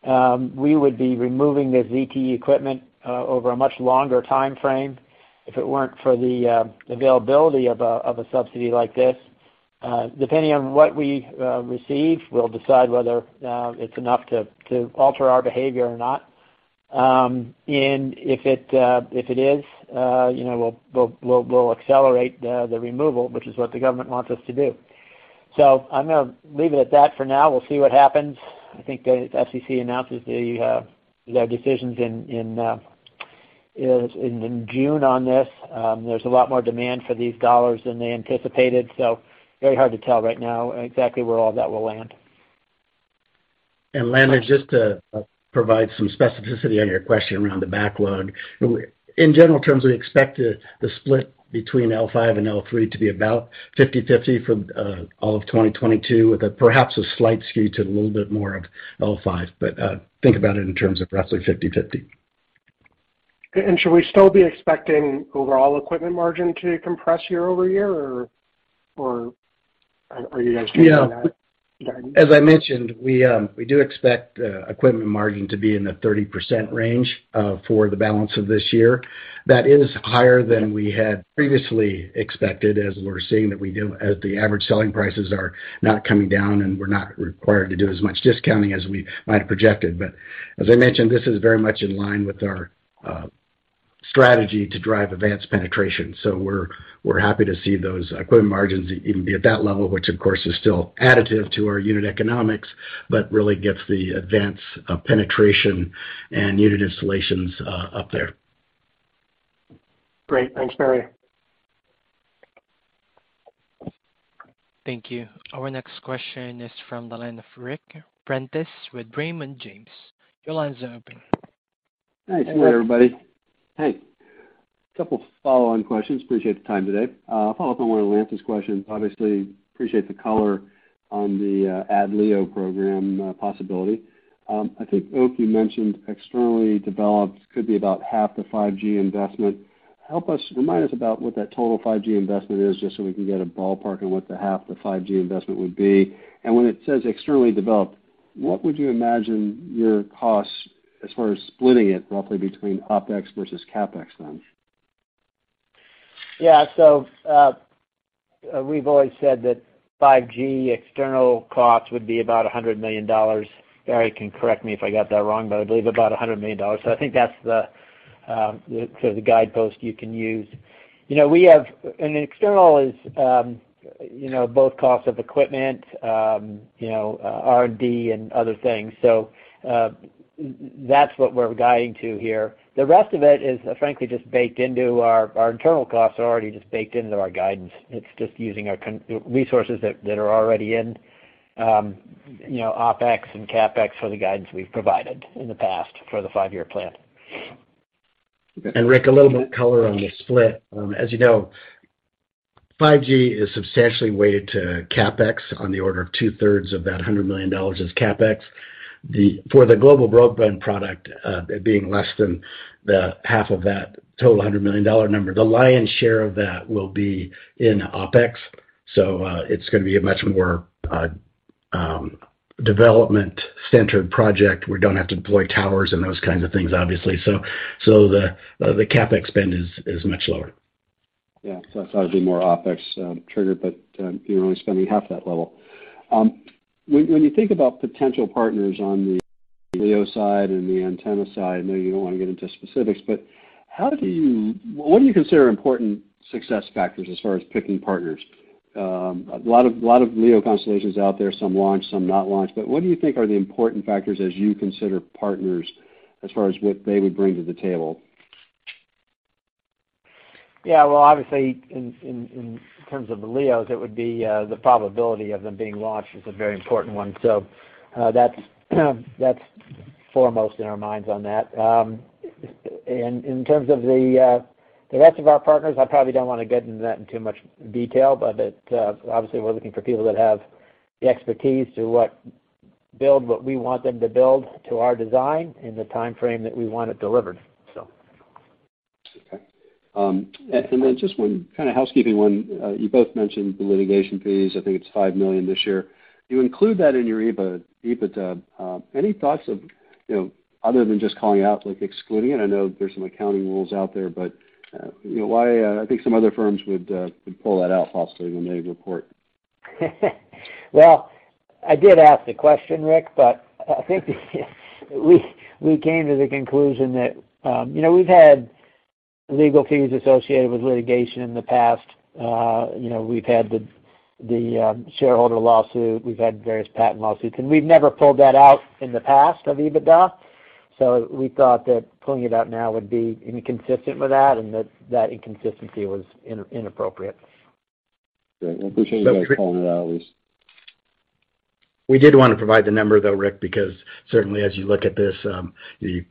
would be removing the ZTE equipment over a much longer timeframe if it weren't for the availability of a subsidy like this. Depending on what we receive, we'll decide whether it's enough to alter our behavior or not. If it is, you know, we'll accelerate the removal, which is what the government wants us to do. I'm gonna leave it at that for now. We'll see what happens. I think the FCC announces their decisions in June on this. There's a lot more demand for these dollars than they anticipated, so very hard to tell right now exactly where all that will land. Landon, just to provide some specificity on your question around the backlog. In general terms, we expect the split between L5 and L3 to be about 50/50 for all of 2022, with perhaps a slight skew to a little bit more of L5. Think about it in terms of roughly 50/50. Should we still be expecting overall equipment margin to compress year-over-year or are you guys changing that guidance? Yeah. As I mentioned, we do expect equipment margin to be in the 30% range for the balance of this year. That is higher than we had previously expected as we're seeing that the average selling prices are not coming down, and we're not required to do as much discounting as we might have projected. As I mentioned, this is very much in line with our strategy to drive AVANCE penetration. We're happy to see those equipment margins even be at that level, which of course is still additive to our unit economics, but really gets the AVANCE penetration and unit installations up there. Great. Thanks, Barry. Thank you. Our next question is from the line of Ric Prentiss with Raymond James. Your line is open. Thanks everybody. Hey, a couple of follow-on questions. Appreciate the time today. I'll follow up on one of Lance's questions. Obviously, appreciate the color on the LEO program possibility. I think, Oak, you mentioned externally developed could be about half the 5G investment. Help us, remind us about what that total 5G investment is just so we can get a ballpark on what the half the 5G investment would be. When it says externally developed, what would you imagine your costs as far as splitting it roughly between OpEx versus CapEx then? Yeah. We've always said that 5G external costs would be about $100 million. Barry can correct me if I got that wrong, but I believe about $100 million. I think that's the guidepost you can use. External is both cost of equipment, R&D and other things. That's what we're guiding to here. The rest of it is, frankly, just baked into our internal costs are already just baked into our guidance. It's just using our resources that are already in OpEx and CapEx for the guidance we've provided in the past for the five-year plan. Ric, a little bit color on the split. As you know, 5G is substantially weighted to CapEx on the order of 2/3 of that $100 million is CapEx. For the Global Broadband product, being less than half of that total $100 million number, the lion's share of that will be in OpEx. So, it's gonna be a much more development-centered project. We don't have to deploy towers and those kinds of things, obviously. So the CapEx spend is much lower. Yeah. I thought it'd be more OpEx triggered, but you're only spending half that level. When you think about potential partners on the LEO side and the antenna side, I know you don't wanna get into specifics, but what do you consider important success factors as far as picking partners? A lot of LEO constellations out there, some launched, some not launched. What do you think are the important factors as you consider partners as far as what they would bring to the table? Yeah. Well, obviously, in terms of the LEOs, it would be the probability of them being launched is a very important one. That's foremost in our minds on that. In terms of the rest of our partners, I probably don't wanna get into that in too much detail. Obviously, we're looking for people that have the expertise to build what we want them to build to our design in the timeframe that we want it delivered. Okay. Just one kinda housekeeping one. You both mentioned the litigation fees. I think it's $5 million this year. You include that in your EBITDA. Any thoughts of, you know, other than just calling out, like, excluding it? I know there's some accounting rules out there, but you know, why I think some other firms would pull that out possibly when they report. Well, I did ask the question, Ric, but I think we came to the conclusion that, you know, we've had legal fees associated with litigation in the past, you know, we've had the shareholder lawsuit, we've had various patent lawsuits, and we've never pulled that out in the past of EBITDA. We thought that pulling it out now would be inconsistent with that, and that inconsistency was inappropriate. Great. I appreciate you guys calling it out at least. We did wanna provide the number though, Ric, because certainly as you look at this, you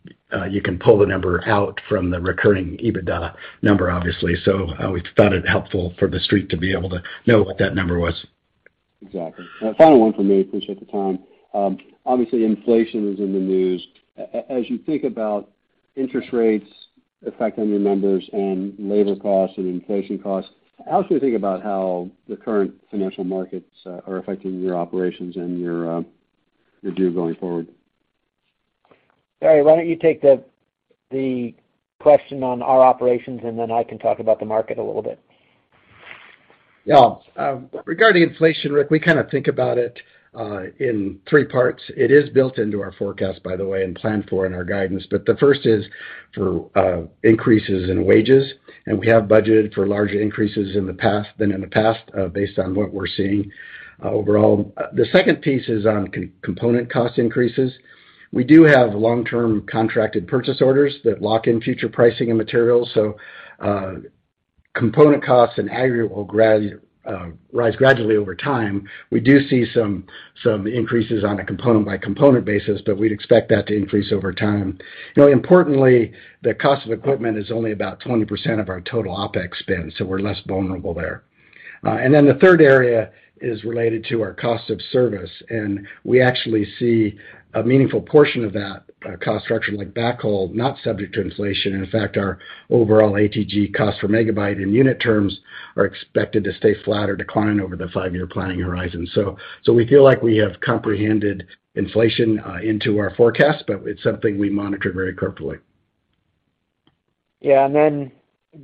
can pull the number out from the recurring EBITDA number, obviously. We thought it helpful for the street to be able to know what that number was. Exactly. A final one for me. Appreciate the time. Obviously, inflation is in the news. As you think about interest rates affecting your numbers and labor costs and inflation costs, how should we think about how the current financial markets are affecting your operations and your view going forward? Barry, why don't you take the question on our operations, and then I can talk about the market a little bit. Yeah. Regarding inflation, Ric, we kinda think about it in three parts. It is built into our forecast, by the way, and planned for in our guidance. The first is for increases in wages, and we have budgeted for larger increases than in the past, based on what we're seeing overall. The second piece is on component cost increases. We do have long-term contracted purchase orders that lock in future pricing and materials. Component costs in aggregate will rise gradually over time. We do see some increases on a component-by-component basis, but we'd expect that to increase over time. You know, importantly, the cost of equipment is only about 20% of our total OpEx spend, so we're less vulnerable there. The third area is related to our cost of service, and we actually see a meaningful portion of that cost structure, like backhaul, not subject to inflation. In fact, our overall ATG cost per megabyte in unit terms are expected to stay flat or decline over the five-year planning horizon. We feel like we have comprehended inflation into our forecast, but it's something we monitor very carefully. Yeah.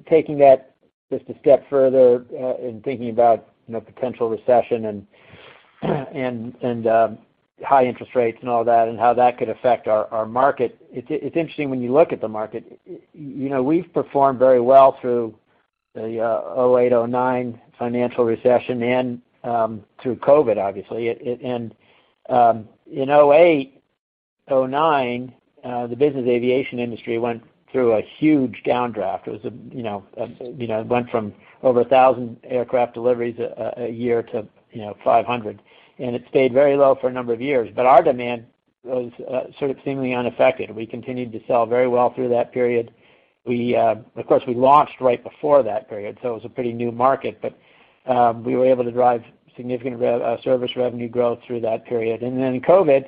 Taking that just a step further, in thinking about, you know, potential recession and high interest rates and all that, and how that could affect our market. It's interesting when you look at the market. You know, we've performed very well through the 2008, 2009 financial recession and through COVID, obviously. In 2008, 2009, the business aviation industry went through a huge downdraft. It went from over 1,000 aircraft deliveries a year to 500, and it stayed very low for a number of years. Our demand was sort of seemingly unaffected. We continued to sell very well through that period. We, of course, we launched right before that period, so it was a pretty new market, but we were able to drive significant service revenue growth through that period. Then COVID,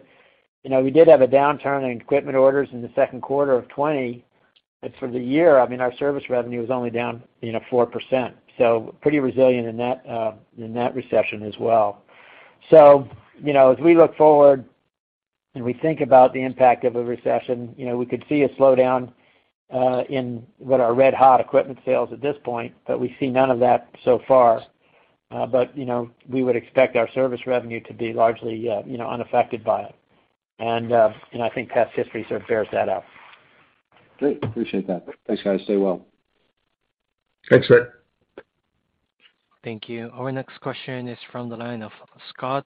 you know, we did have a downturn in equipment orders in the second quarter of 2020. For the year, I mean, our service revenue was only down, you know, 4%. Pretty resilient in that recession as well. You know, as we look forward and we think about the impact of a recession, you know, we could see a slowdown in what are red-hot equipment sales at this point, but we see none of that so far. You know, we would expect our service revenue to be largely, you know, unaffected by it. I think past history sort of bears that out. Great. Appreciate that. Thanks, guys. Stay well. Thanks, Ric. Thank you. Our next question is from the line of Scott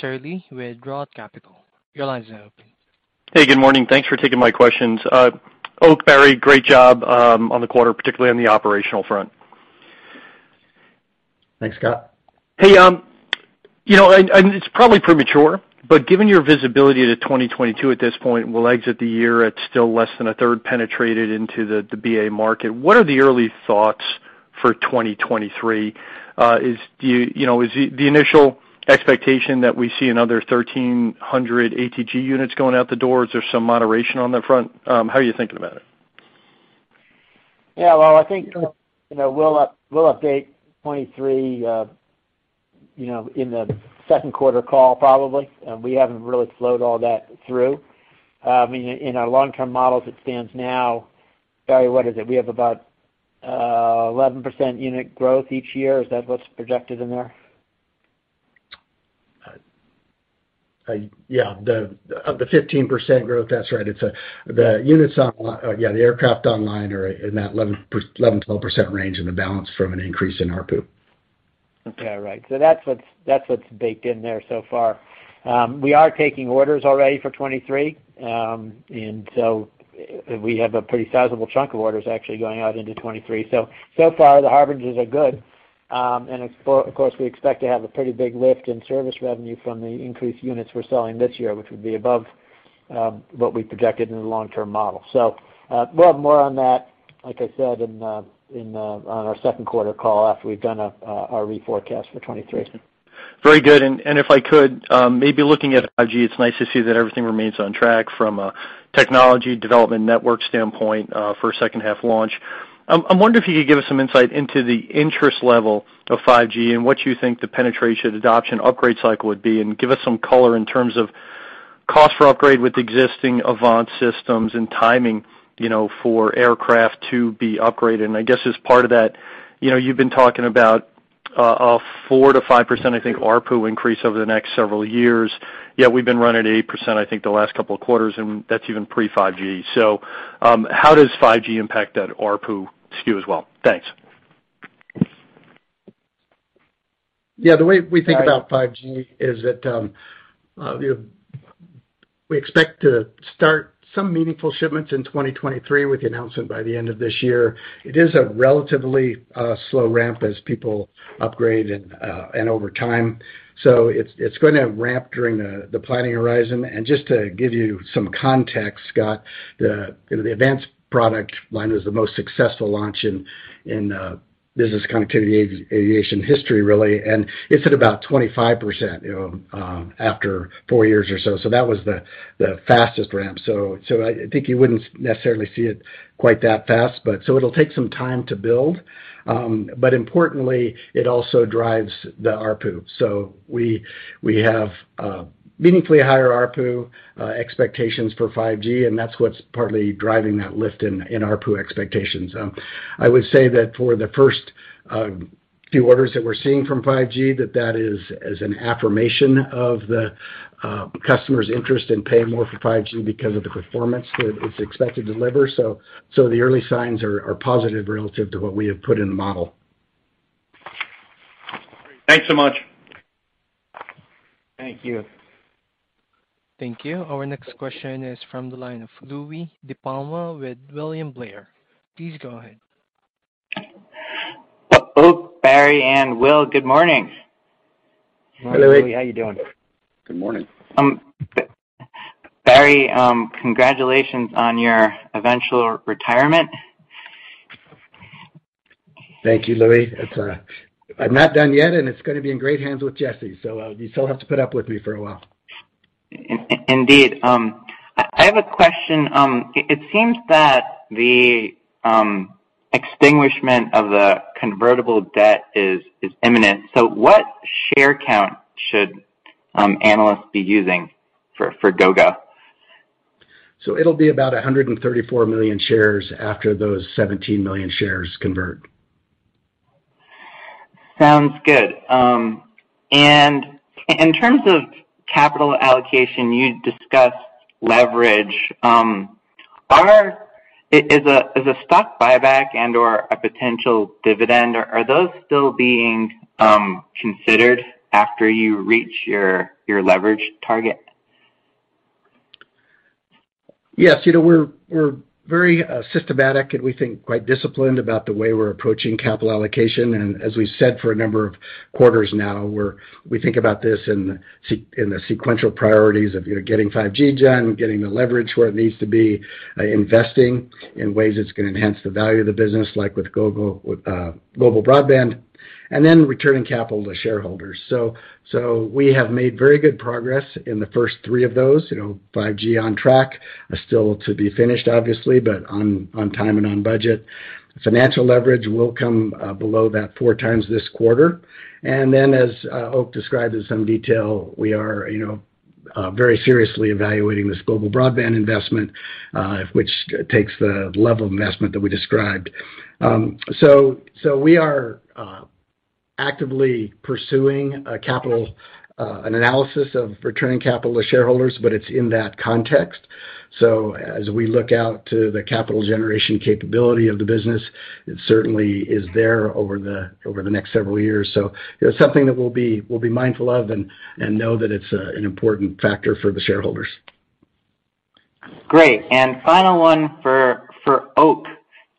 Searle with Roth Capital. Your line is now open. Hey, good morning. Thanks for taking my questions. Oak, Barry, great job on the quarter, particularly on the operational front. Thanks, Scott. Hey, you know, it's probably premature, but given your visibility to 2022 at this point, we'll exit the year at still less than a third penetrated into the BA market. What are the early thoughts for 2023? Do you know, is the initial expectation that we see another 1,300 ATG units going out the door? Is there some moderation on that front? How are you thinking about it? Yeah. Well, I think, you know, we'll update 2023, you know, in the second quarter call, probably. We haven't really flowed all that through. I mean, in our long-term models, it stands now. Barry, what is it? We have about, 11% unit growth each year. Is that what's projected in there? Yeah. The rest of the 15% growth. That's right. It's the aircraft online are in that 11%-12% range and the balance from an increase in ARPU. Yeah. Right. That's what's baked in there so far. We are taking orders already for 2023. We have a pretty sizable chunk of orders actually going out into 2023. So far, the harbingers are good. Of course, we expect to have a pretty big lift in service revenue from the increased units we're selling this year, which would be above what we projected in the long-term model. We'll have more on that, like I said, on our second quarter call after we've done our reforecast for 2023. Very good. If I could, maybe looking at 5G, it's nice to see that everything remains on track from a technology development network standpoint, for a second half launch. I'm wondering if you could give us some insight into the interest level of 5G and what you think the penetration adoption upgrade cycle would be, and give us some color in terms of cost for upgrade with existing AVANCE systems and timing, you know, for aircraft to be upgraded. I guess as part of that, you know, you've been talking about. A 4%-5%, I think, ARPU increase over the next several years, yet we've been running at 8%, I think, the last couple of quarters, and that's even pre-5G. How does 5G impact that ARPU skew as well? Thanks. Yeah. The way we think about 5G is that, you know, we expect to start some meaningful shipments in 2023 with the announcement by the end of this year. It is a relatively slow ramp as people upgrade and over time. It's gonna ramp during the planning horizon. Just to give you some context, Scott, you know, the AVANCE product line was the most successful launch in business aviation connectivity history, really, and it's at about 25%, you know, after four years or so. That was the fastest ramp. I think you wouldn't necessarily see it quite that fast, but it'll take some time to build. But importantly, it also drives the ARPU. We have meaningfully higher ARPU expectations for 5G, and that's what's partly driving that lift in ARPU expectations. I would say that for the first few orders that we're seeing from 5G, that is an affirmation of the customer's interest in paying more for 5G because of the performance that it's expected to deliver. The early signs are positive relative to what we have put in the model. Thanks so much. Thank you. Thank you. Our next question is from the line of Louie DiPalma with William Blair. Please go ahead. Oak, Barry, and Will, good morning. Hi, Louie. How you doing? Good morning. Barry, congratulations on your eventual retirement. Thank you, Louie. It's, I'm not done yet, and it's gonna be in great hands with Jessi, so, you still have to put up with me for a while. Indeed. I have a question. It seems that the extinguishment of the convertible debt is imminent. What share count should analysts be using for Gogo? It'll be about 134 million shares after those 17 million shares convert. Sounds good. In terms of capital allocation, you discussed leverage. Is a stock buyback and/or a potential dividend, are those still being considered after you reach your leverage target? Yes. You know, we're very systematic and we think quite disciplined about the way we're approaching capital allocation. As we said for a number of quarters now, we think about this in the sequential priorities of, you know, getting 5G done, getting the leverage where it needs to be, investing in ways that's gonna enhance the value of the business, like with Gogo Global Broadband, and then returning capital to shareholders. We have made very good progress in the first three of those. You know, 5G on track, still to be finished obviously, but on time and on budget. Financial leverage will come below that 4x this quarter. As Oak described in some detail, we are, you know, very seriously evaluating this Global Broadband investment, which takes the level of investment that we described. We are actively pursuing an analysis of returning capital to shareholders, but it's in that context. As we look out to the capital generation capability of the business, it certainly is there over the next several years. You know, something that we'll be mindful of and know that it's an important factor for the shareholders. Great. Final one for Oak.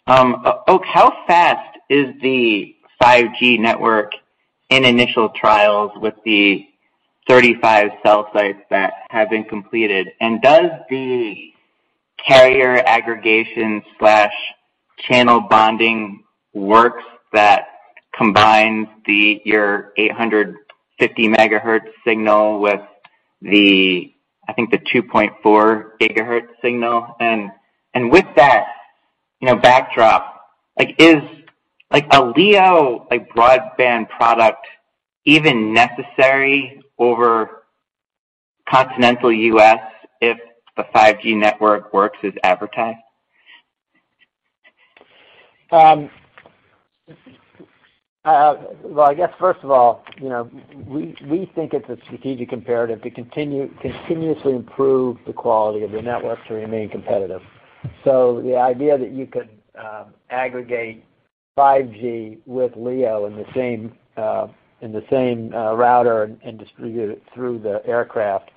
Oak, how fast is the 5G network in initial trials with the 35 cell sites that have been completed? And does the carrier aggregation/channel bonding works that combines your 850 MHz signal with the, I think, the 2.4 GHz signal? And with that, you know, backdrop, like, is, like, a LEO, like, broadband product even necessary over continental U.S. if the 5G network works as advertised? Well, I guess first of all, you know, we think it's a strategic imperative to continuously improve the quality of the network to remain competitive. The idea that you could aggregate 5G with LEO in the same router and distribute it through the aircraft,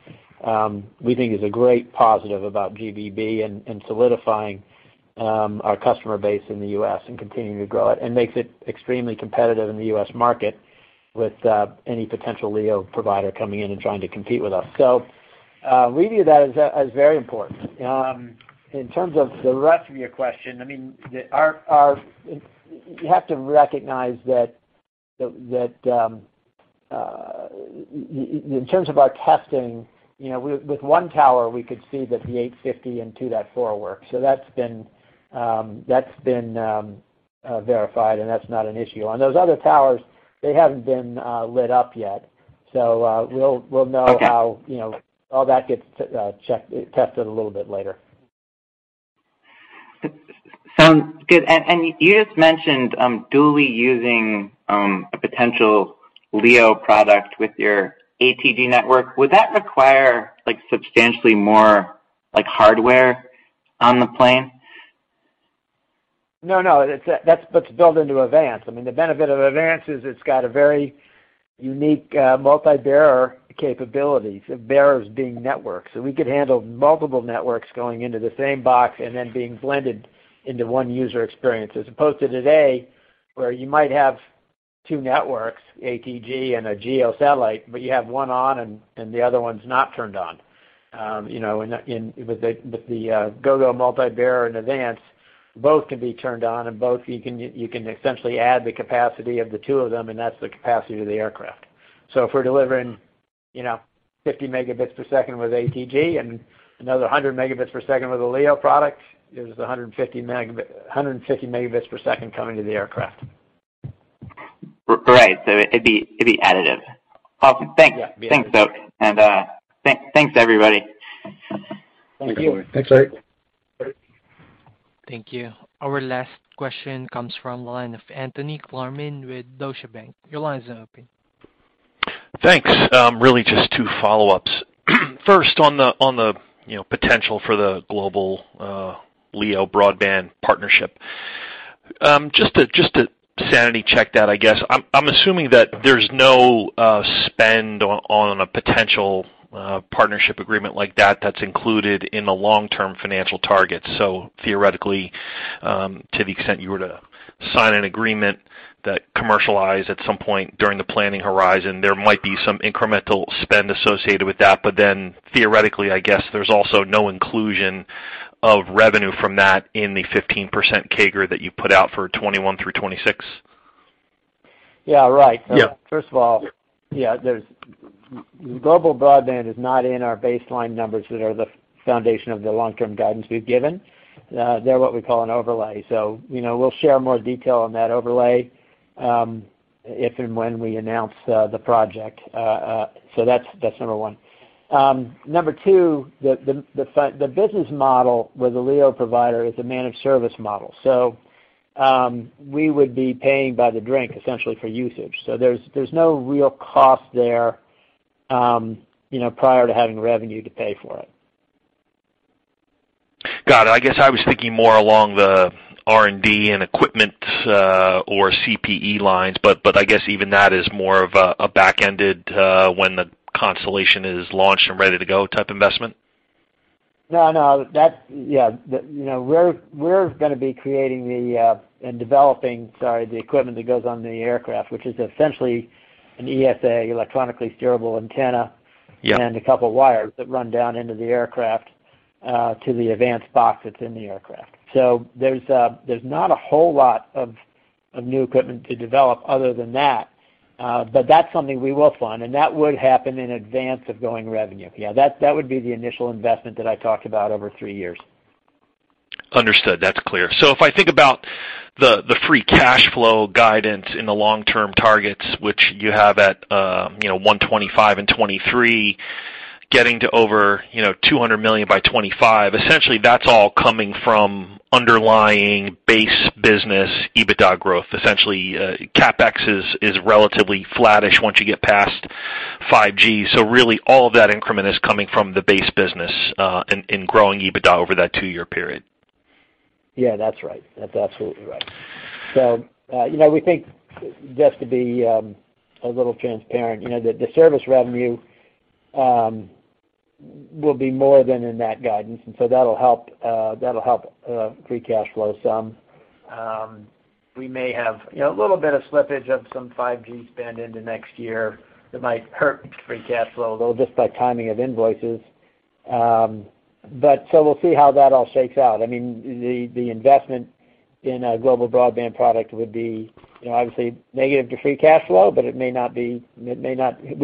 we think is a great positive about GBB and solidifying our customer base in the U.S. and continuing to grow it and makes it extremely competitive in the U.S. market with any potential LEO provider coming in and trying to compete with us. We view that as very important. In terms of the rest of your question, I mean, you have to recognize that in terms of our testing, you know, with one tower, we could see that the 850 and 2.4 work. So that's been verified, and that's not an issue. On those other towers, they haven't been lit up yet, so we'll know how, you know, all that gets tested a little bit later. Sounds good. You just mentioned dual using a potential LEO product with your ATG network. Would that require like substantially more like hardware on the plane? No, no. That's built into AVANCE. I mean, the benefit of AVANCE is it's got a very unique multi-bearer capabilities, the bearers being networks. So we could handle multiple networks going into the same box and then being blended into one user experience, as opposed to today, where you might have two networks, ATG and a GEO satellite, but you have one on and the other one's not turned on. You know, with the Gogo multi-bearer and AVANCE, both can be turned on and you can essentially add the capacity of the two of them, and that's the capacity of the aircraft. If we're delivering, you know, 50 Mbps with ATG and another 100 Mbps with a LEO product, there's 150 Mbps coming to the aircraft. Right. It'd be additive. Awesome. Thanks. Yeah. Thanks, folks. Thanks, everybody. Thank you. Thanks, Eric. Thank you. Our last question comes from the line of Anthony Klarman with Deutsche Bank. Your line is open. Thanks. Really just two follow-ups. First, on the potential for the global LEO Broadband partnership. Just to sanity check that, I guess I'm assuming that there's no spend on a potential partnership agreement like that that's included in the long-term financial targets. Theoretically, to the extent you were to sign an agreement that commercialize at some point during the planning horizon, there might be some incremental spend associated with that. Theoretically, I guess there's also no inclusion of revenue from that in the 15% CAGR that you put out for 2021 through 2026. Yeah. Right. Yeah. Global Broadband is not in our baseline numbers that are the foundation of the long-term guidance we've given. They're what we call an overlay. You know, we'll share more detail on that overlay, if and when we announce the project. That's number one. Number two, the business model with the LEO provider is a managed service model. We would be paying by the drink essentially for usage. There's no real cost there, you know, prior to having revenue to pay for it. Got it. I guess I was thinking more along the R&D and equipment, or CPE lines, but I guess even that is more of a back-ended, when the constellation is launched and ready to go type investment. No, that. Yeah. You know, we're gonna be creating and developing, sorry, the equipment that goes on the aircraft, which is essentially an ESA electronically steerable antenna. Yeah. A couple of wires that run down into the aircraft to the AVANCE box that's in the aircraft. There's not a whole lot of new equipment to develop other than that. That's something we will fund, and that would happen in advance of going to revenue. Yeah, that would be the initial investment that I talked about over three years. Understood. That's clear. If I think about the free cash flow guidance in the long-term targets, which you have at $125 million in 2023, getting to over $200 million by 2025, essentially that's all coming from underlying base business EBITDA growth. Essentially, CapEx is relatively flattish once you get past 5G. Really all of that increment is coming from the base business in growing EBITDA over that two-year period. Yeah, that's right. That's absolutely right. You know, we think just to be a little transparent, you know, the service revenue will be more than in that guidance. That'll help free cash flow some. We may have, you know, a little bit of slippage of some 5G spend into next year that might hurt free cash flow, though, just by timing of invoices. We'll see how that all shakes out. I mean, the investment in a Global Broadband product would be, you know, obviously negative to free cash flow, but it may not be. We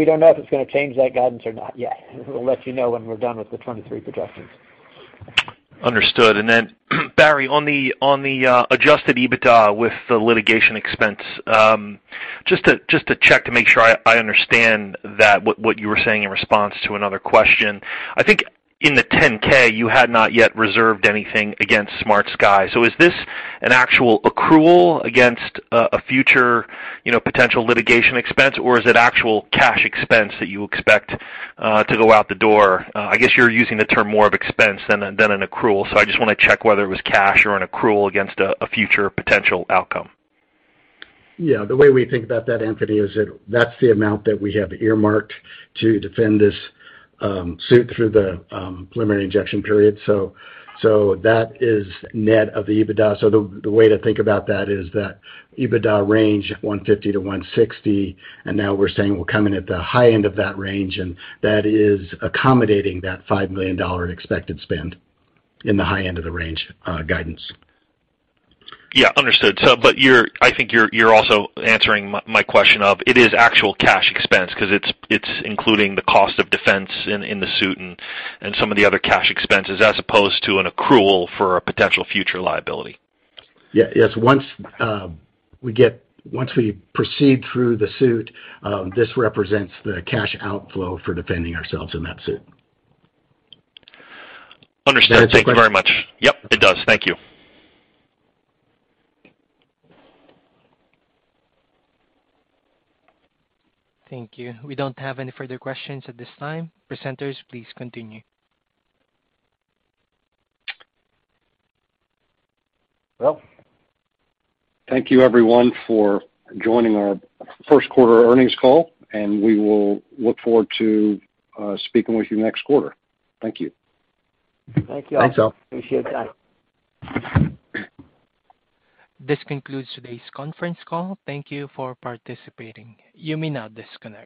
don't know if it's gonna change that guidance or not yet. We'll let you know when we're done with the 2023 projections. Understood. Barry, on the adjusted EBITDA with the litigation expense, just to check to make sure I understand what you were saying in response to another question. I think in the 10-K, you had not yet reserved anything against SmartSky. Is this an actual accrual against a future, you know, potential litigation expense, or is it actual cash expense that you expect to go out the door? I guess you're using the term more of expense than an accrual. I just wanna check whether it was cash or an accrual against a future potential outcome. Yeah. The way we think about that, Anthony, is, that's the amount that we have earmarked to defend this suit through the preliminary injunction period. That is net of the EBITDA. The way to think about that is that EBITDA range, $150 million-$160 million, and now we're saying we're coming at the high end of that range, and that is accommodating that $5 million expected spend in the high end of the range guidance. Yeah, understood. I think you're also answering my question of it is actual cash expense 'cause it's including the cost of defense in the suit and some of the other cash expenses, as opposed to an accrual for a potential future liability. Yeah. Yes. Once we proceed through the suit, this represents the cash outflow for defending ourselves in that suit. Understood. Thank you very much. Yep, it does. Thank you. Thank you. We don't have any further questions at this time. Presenters, please continue. Well. Thank you, everyone, for joining our first quarter earnings call, and we will look forward to speaking with you next quarter. Thank you. Thank you. Thanks, all. Appreciate your time. This concludes today's conference call. Thank you for participating. You may now disconnect.